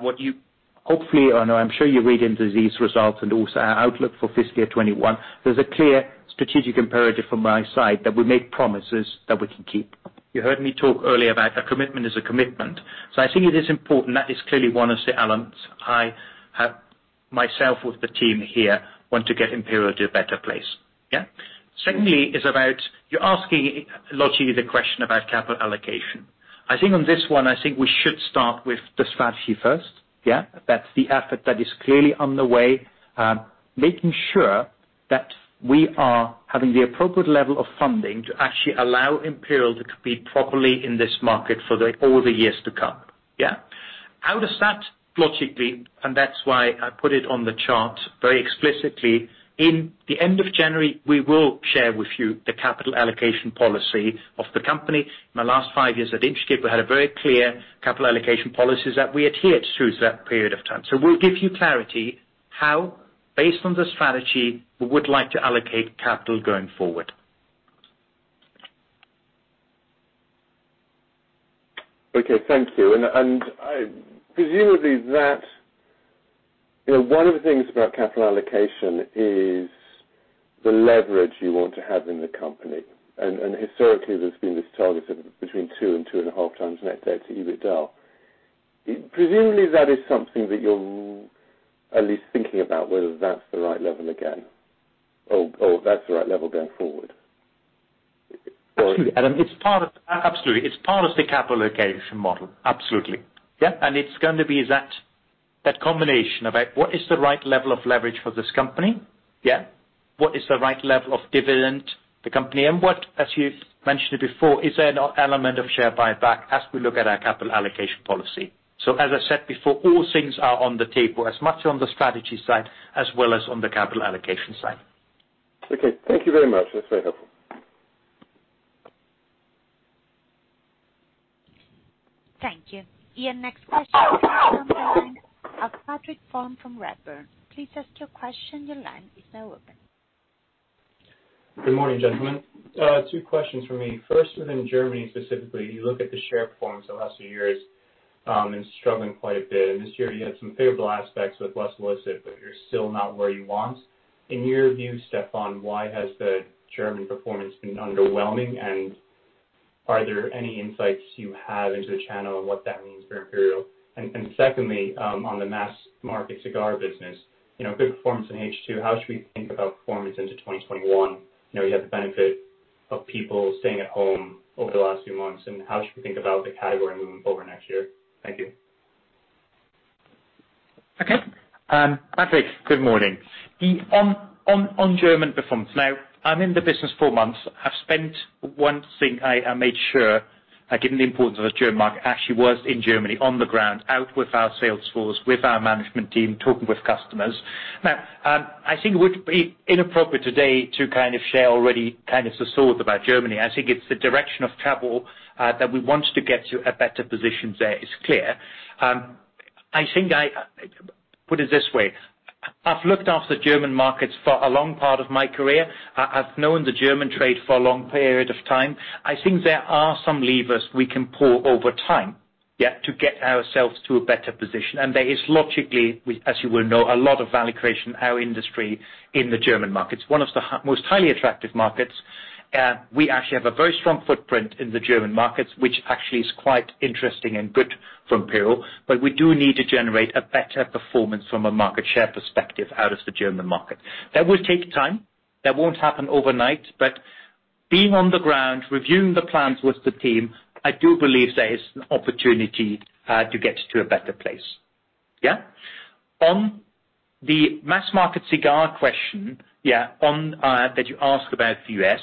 what you hopefully or no, I'm sure you read into these results and also our outlook for fiscal year 2021, there's a clear strategic imperative from my side that we make promises that we can keep. You heard me talk earlier about a commitment is a commitment. I think it is important. That is clearly one of the elements I have myself with the team here want to get Imperial to a better place. Yeah. Secondly is about, you're asking logically the question about capital allocation. I think on this one, I think we should start with the strategy first. Yeah. That's the effort that is clearly underway, making sure that we are having the appropriate level of funding to actually allow Imperial to compete properly in this market for all the years to come. Yeah. How does that logically, and that's why I put it on the chart very explicitly. In the end of January, we will share with you the capital allocation policy of the company. In my last five years at Inchcape, we had a very clear capital allocation policy that we adhered to through that period of time. We'll give you clarity how, based on the strategy, we would like to allocate capital going forward. Okay, thank you. Presumably one of the things about capital allocation is the leverage you want to have in the company. Historically there's been this target of between 2x and 2.5x net debt to EBITDA. Presumably that is something that you're at least thinking about, whether that's the right level again or that's the right level going forward. Absolutely. Adam, it's part of the capital allocation model. Absolutely. Yeah. It's going to be that combination of what is the right level of leverage for this company, yeah. What is the right level of dividend for the company, and what, as you mentioned before, is there an element of share buyback as we look at our capital allocation policy? As I said before, all things are on the table as much on the strategy side as well as on the capital allocation side. Okay. Thank you very much. That's very helpful. Thank you. Your next question comes from the line of Patrick Folan from Redburn. Good morning, gentlemen. Two questions from me. First, within Germany specifically, you look at the share performance the last few years, and struggling quite a bit. This year you had some favorable aspects with less illicit, but you're still not where you want. In your view, Stefan, why has the German performance been underwhelming, and are there any insights you have into the channel and what that means for Imperial? Secondly, on the mass market cigar business, good performance in H2, how should we think about performance into 2021? You had the benefit of people staying at home over the last few months, and how should we think about the category moving forward next year? Thank you. Okay. Patrick, good morning. On German performance. I'm in the business four months. One thing I made sure, given the importance of the German market, I actually was in Germany on the ground, out with our sales force, with our management team, talking with customers. I think it would be inappropriate today to share already kind of the sort about Germany. I think it's the direction of travel, that we want to get to a better position there, is clear. I think I will put it this way. I've looked after German markets for a long part of my career. I've known the German trade for a long period of time. I think there are some levers we can pull over time, yeah, to get ourselves to a better position. There is logically, as you will know, a lot of value creation in our industry in the German markets. One of the most highly attractive markets. We actually have a very strong footprint in the German market, which actually is quite interesting and good for Imperial, but we do need to generate a better performance from a market share perspective out of the German market. That will take time. That won't happen overnight, but being on the ground, reviewing the plans with the team, I do believe there is an opportunity to get to a better place. Yeah. On the mass market cigar question, yeah, that you asked about the U.S.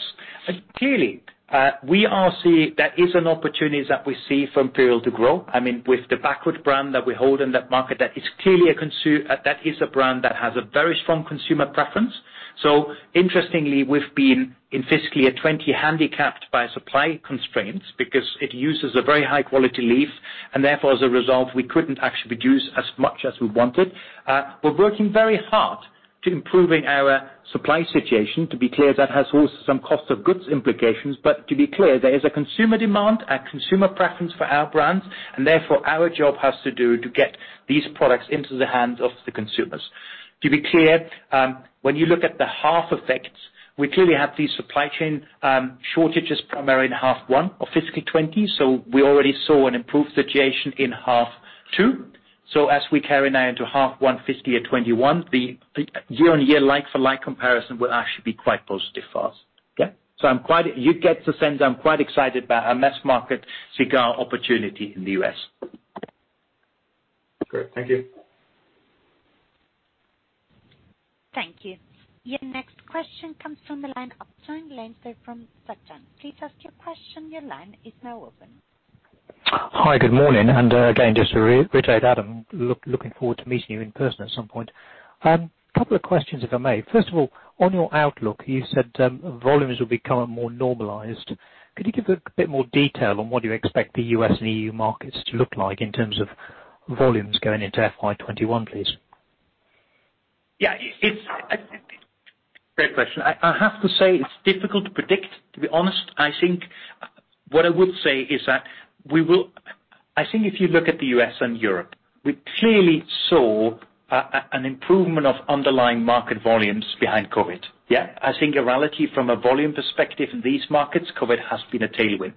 Clearly, that is an opportunity that we see for Imperial to grow. With the Backwoods brand that we hold in that market, that is a brand that has a very strong consumer preference. Interestingly, we've been in fiscal year 2020 handicapped by supply constraints because it uses a very high-quality leaf, and therefore as a result, we couldn't actually produce as much as we wanted. We're working very hard to improving our supply situation. To be clear, that has also some cost of goods implications. To be clear, there is a consumer demand, a consumer preference for our brands, and therefore our job has to do to get these products into the hands of the consumers. To be clear, when you look at the half effects, we clearly had these supply chain shortages primary in half one of fiscal year 2020, so we already saw an improved situation in half two. As we carry now into half one fiscal year 2021, the year-on-year like-for-like comparison will actually be quite positive for us. Yeah. You get the sense I'm quite excited by our mass market cigar opportunity in the U.S. Great. Thank you. Thank you. Your next question comes from the line of [Simon Lansdowne from Sajon]. Please ask your question. Your line is now open. Hi, good morning. Again, just to reiterate, Adam, looking forward to meeting you in person at some point. Couple of questions, if I may. First of all, on your outlook, you said volumes will become more normalized. Could you give a bit more detail on what you expect the U.S. and E.U. markets to look like in terms of volumes going into FY 2021, please? Yeah. Great question. I have to say, it's difficult to predict, to be honest. What I would say is that I think if you look at the U.S. and Europe, we clearly saw an improvement of underlying market volumes behind COVID. Yeah. I think in reality from a volume perspective in these markets, COVID has been a tailwind.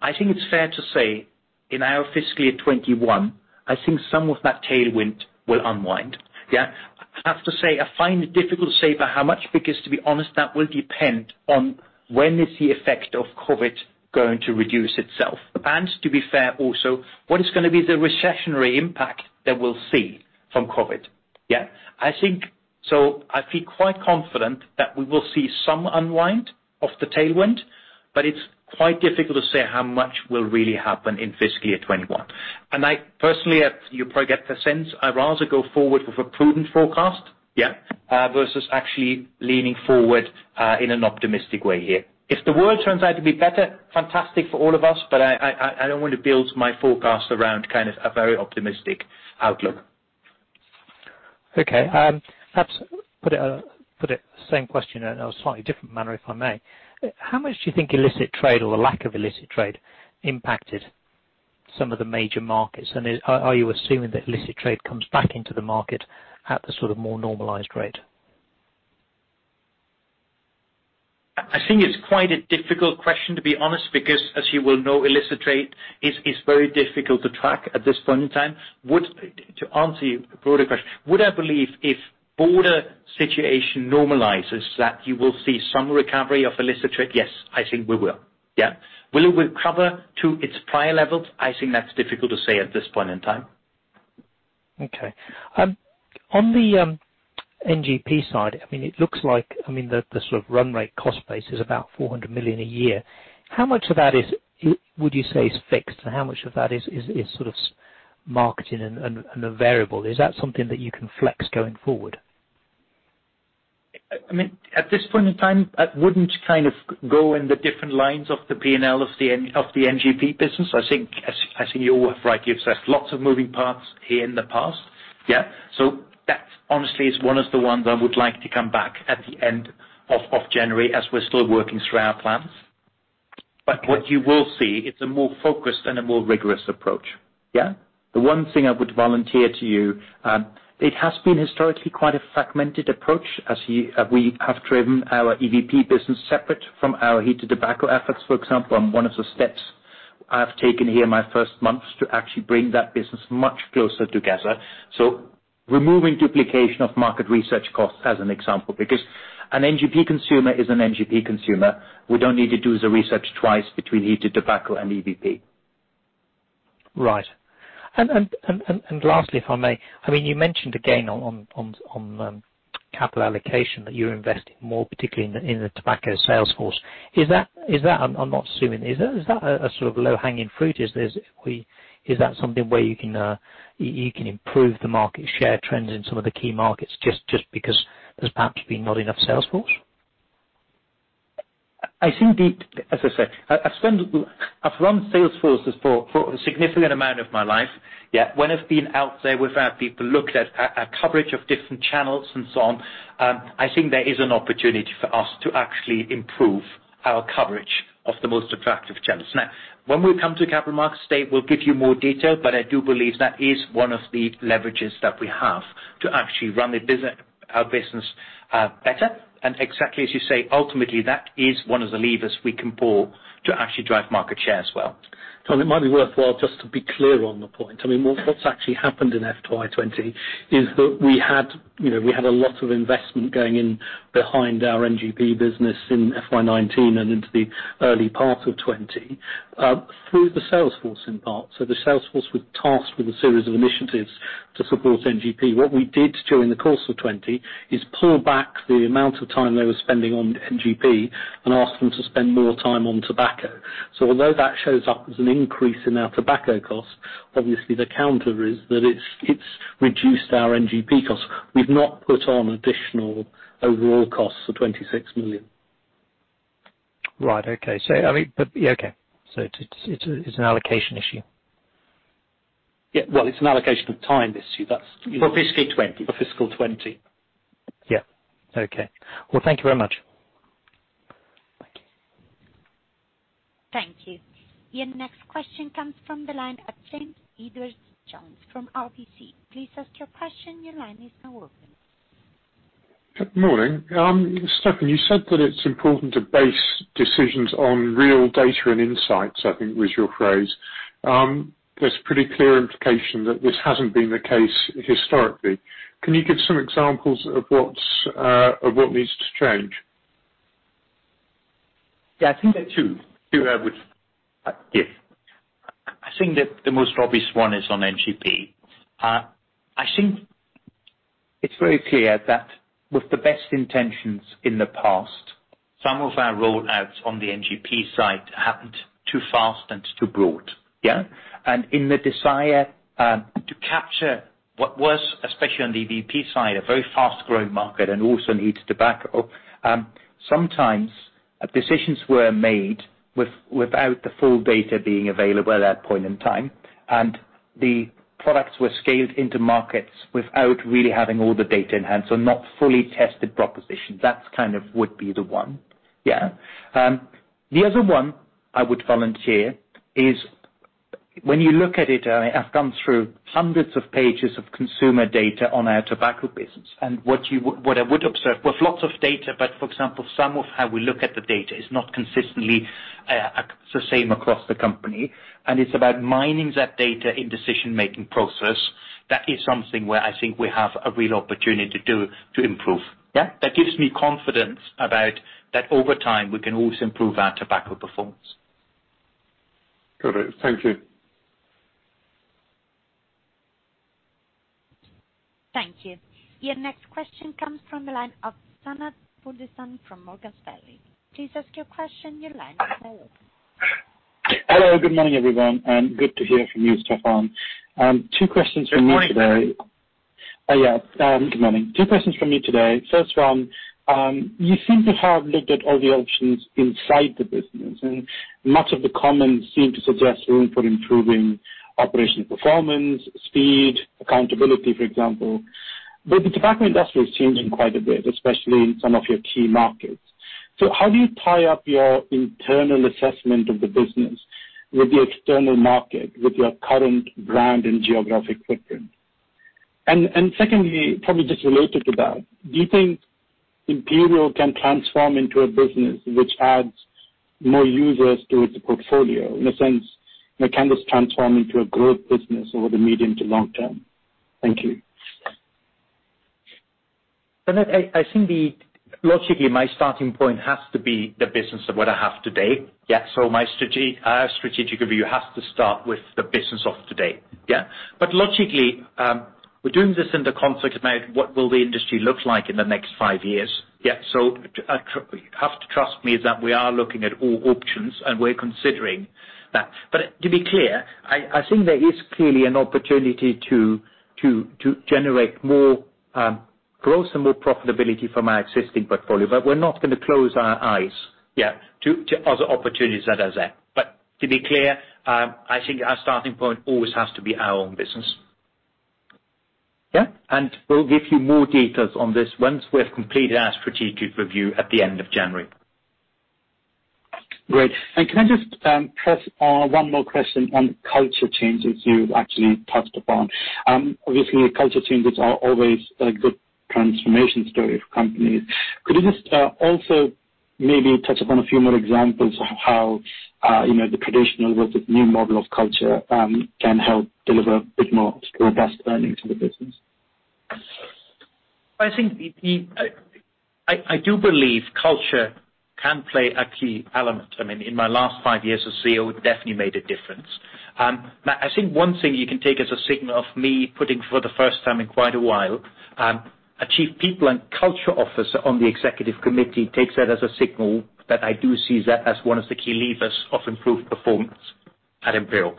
I think it's fair to say in our fiscal year 2021, I think some of that tailwind will unwind. Yeah. I have to say, I find it difficult to say by how much, because to be honest, that will depend on when is the effect of COVID going to reduce itself. And to be fair also, what is gonna be the recessionary impact that we'll see from COVID? Yeah. I feel quite confident that we will see some unwind of the tailwind, but it's quite difficult to say how much will really happen in fiscal year 2021. I personally, you probably get the sense, I'd rather go forward with a prudent forecast, yeah, versus actually leaning forward in an optimistic way here. If the world turns out to be better, fantastic for all of us, but I don't want to build my forecast around kind of a very optimistic outlook. Okay. Put it same question in a slightly different manner, if I may. How much do you think illicit trade or the lack of illicit trade impacted some of the major markets? Are you assuming that illicit trade comes back into the market at the sort of more normalized rate? I think it's quite a difficult question, to be honest, because as you will know, illicit trade is very difficult to track at this point in time. To answer your broader question, would I believe if border situation normalizes that you will see some recovery of illicit trade? Yes, I think we will. Will it recover to its prior levels? I think that's difficult to say at this point in time. Okay. On the NGP side, it looks like the run rate cost base is about 400 million a year. How much of that would you say is fixed, and how much of that is marketing and a variable? Is that something that you can flex going forward? At this point in time, I wouldn't go in the different lines of the P&L of the NGP business. I think you rightly obsessed. Lots of moving parts here in the past. Yeah. That honestly is one of the ones I would like to come back at the end of January as we're still working through our plans. What you will see, it's a more focused and a more rigorous approach. Yeah. The one thing I would volunteer to you, it has been historically quite a fragmented approach as we have driven our EVP business separate from our Heated Tobacco efforts, for example. One of the steps I've taken here in my first month is to actually bring that business much closer together. Removing duplication of market research costs as an example, because an NGP consumer is an NGP consumer. We don't need to do the research twice between Heated Tobacco and EVP. Right. Lastly, if I may. You mentioned again on capital allocation that you're investing more particularly in the tobacco sales force. Is that a sort of low-hanging fruit? Is that something where you can improve the market share trends in some of the key markets just because there's perhaps been not enough sales force? As I say, I've run sales forces for a significant amount of my life. Yeah. When I've been out there with our people, looked at our coverage of different channels and so on, I think there is an opportunity for us to actually improve our coverage of the most attractive channels. Now, when we come to capital markets stage, we'll give you more detail, but I do believe that is one of the leverages that we have to actually run our business better. Exactly as you say, ultimately, that is one of the levers we can pull to actually drive market share as well. Oliver, it might be worthwhile just to be clear on the point. What's actually happened in FY 2020 is that we had a lot of investment going in behind our NGP business in FY 2019 and into the early part of 2020, through the sales force in part. The sales force was tasked with a series of initiatives to support NGP. What we did during the course of 2020 is pull back the amount of time they were spending on NGP and ask them to spend more time on tobacco. Although that shows up as an increase in our tobacco cost, obviously the counter is that it's reduced our NGP cost. We've not put on additional overall costs for 26 million. Right. Okay. It's an allocation issue. Yeah. Well, it's an allocation of time issue. For fiscal 2020. For fiscal 2020. Yeah. Okay. Well, thank you very much. Thank you. Your next question comes from the line of James Edwardes Jones from RBC. Please ask your question. Your line is now open. Good morning. Stefan, you said that it's important to base decisions on real data and insights, I think was your phrase. There's a pretty clear implication that this hasn't been the case historically. Can you give some examples of what needs to change? Yeah. I think there are two I would give. I think that the most obvious one is on NGP. I think it's very clear that with the best intentions in the past, some of our roll-outs on the NGP side happened too fast and too broad. Yeah. In the desire to capture what was, especially on the NGP side, a very fast-growing market and also Heated Tobacco, sometimes decisions were made without the full data being available at that point in time, and the products were scaled into markets without really having all the data in hand. Not fully tested propositions. That kind of would be the one. Yeah. The other one I would volunteer is when you look at it, I've gone through hundreds of pages of consumer data on our Tobacco business, and what I would observe was lots of data, but for example, some of how we look at the data is not consistently the same across the company, and it's about mining that data in decision-making process. That is something where I think we have a real opportunity to improve. Yeah. That gives me confidence about that over time, we can also improve our tobacco performance. Got it. Thank you. Thank you. Your next question comes from the line of Sanath Sudarsan from Morgan Stanley. Please ask your question. Your line is now open. Hello. Good morning, everyone, and good to hear from you, Stefan. Two questions from me today. Good morning. Yeah. Good morning. Two questions from me today. First one, you seem to have looked at all the options inside the business, and much of the comments seem to suggest room for improving operational performance, speed, accountability, for example. The Tobacco industry is changing quite a bit, especially in some of your key markets. How do you tie up your internal assessment of the business with the external market, with your current brand and geographic footprint? Secondly, probably just related to that, do you think Imperial can transform into a business which adds more users to its portfolio, in a sense, can this transform into a growth business over the medium to long-term? Thank you. Sanath, I think logically my starting point has to be the business of what I have today. My strategic review has to start with the business of today. Logically, we're doing this in the context of what will the industry look like in the next five years. You have to trust me that we are looking at all options, and we're considering that. To be clear, I think there is clearly an opportunity to generate more growth and more profitability from our existing portfolio. We're not going to close our eyes to other opportunities that are there. To be clear, I think our starting point always has to be our own business. We'll give you more details on this once we have completed our strategic review at the end of January. Great. Can I just press on one more question on culture changes you actually touched upon? Obviously culture changes are always a good transformation story for companies. Could you just also maybe touch upon a few more examples of how the traditional versus new model of culture can help deliver a bit more robust earnings for the business? I do believe culture can play a key element. In my last five years as CEO, it definitely made a difference. I think one thing you can take as a signal of me putting for the first time in quite a while, a Chief People and Culture Officer on the Executive Committee takes that as a signal that I do see that as one of the key levers of improved performance at Imperial.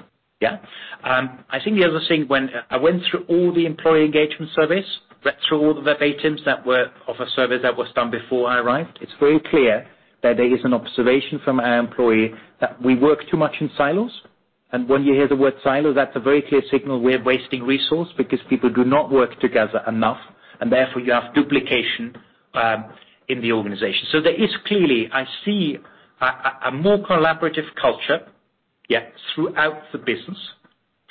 I think the other thing, I went through all the employee engagement surveys, read through all the verbatims that were of a survey that was done before I arrived. It's very clear that there is an observation from our employee that we work too much in silos. When you hear the word silo, that's a very clear signal we're wasting resource because people do not work together enough, and therefore you have duplication in the organization. There is clearly, I see a more collaborative culture throughout the business,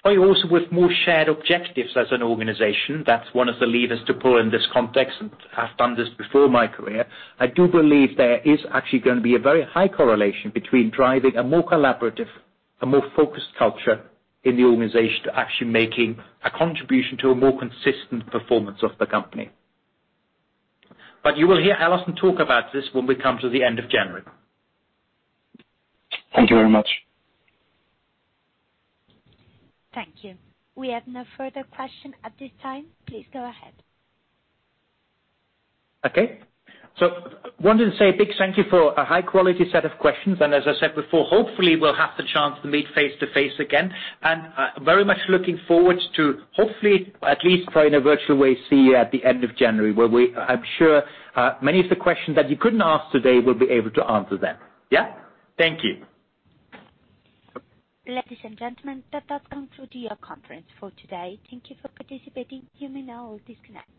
also with more shared objectives as an organization. That's one of the levers to pull in this context, and I've done this before in my career. I do believe there is actually going to be a very high correlation between driving a more collaborative, a more focused culture in the organization to actually making a contribution to a more consistent performance of the company. You will hear Alison talk about this when we come to the end of January. Thank you very much. Thank you. We have no further question at this time. Please go ahead. Okay. Wanted to say a big thank you for a high quality set of questions. As I said before, hopefully we'll have the chance to meet face-to-face again. Very much looking forward to, hopefully, at least in a virtual way, see you at the end of January, where I'm sure many of the questions that you couldn't ask today, we'll be able to answer then. Thank you. Ladies and gentlemen, that does conclude your conference for today. Thank you for participating. You may now disconnect.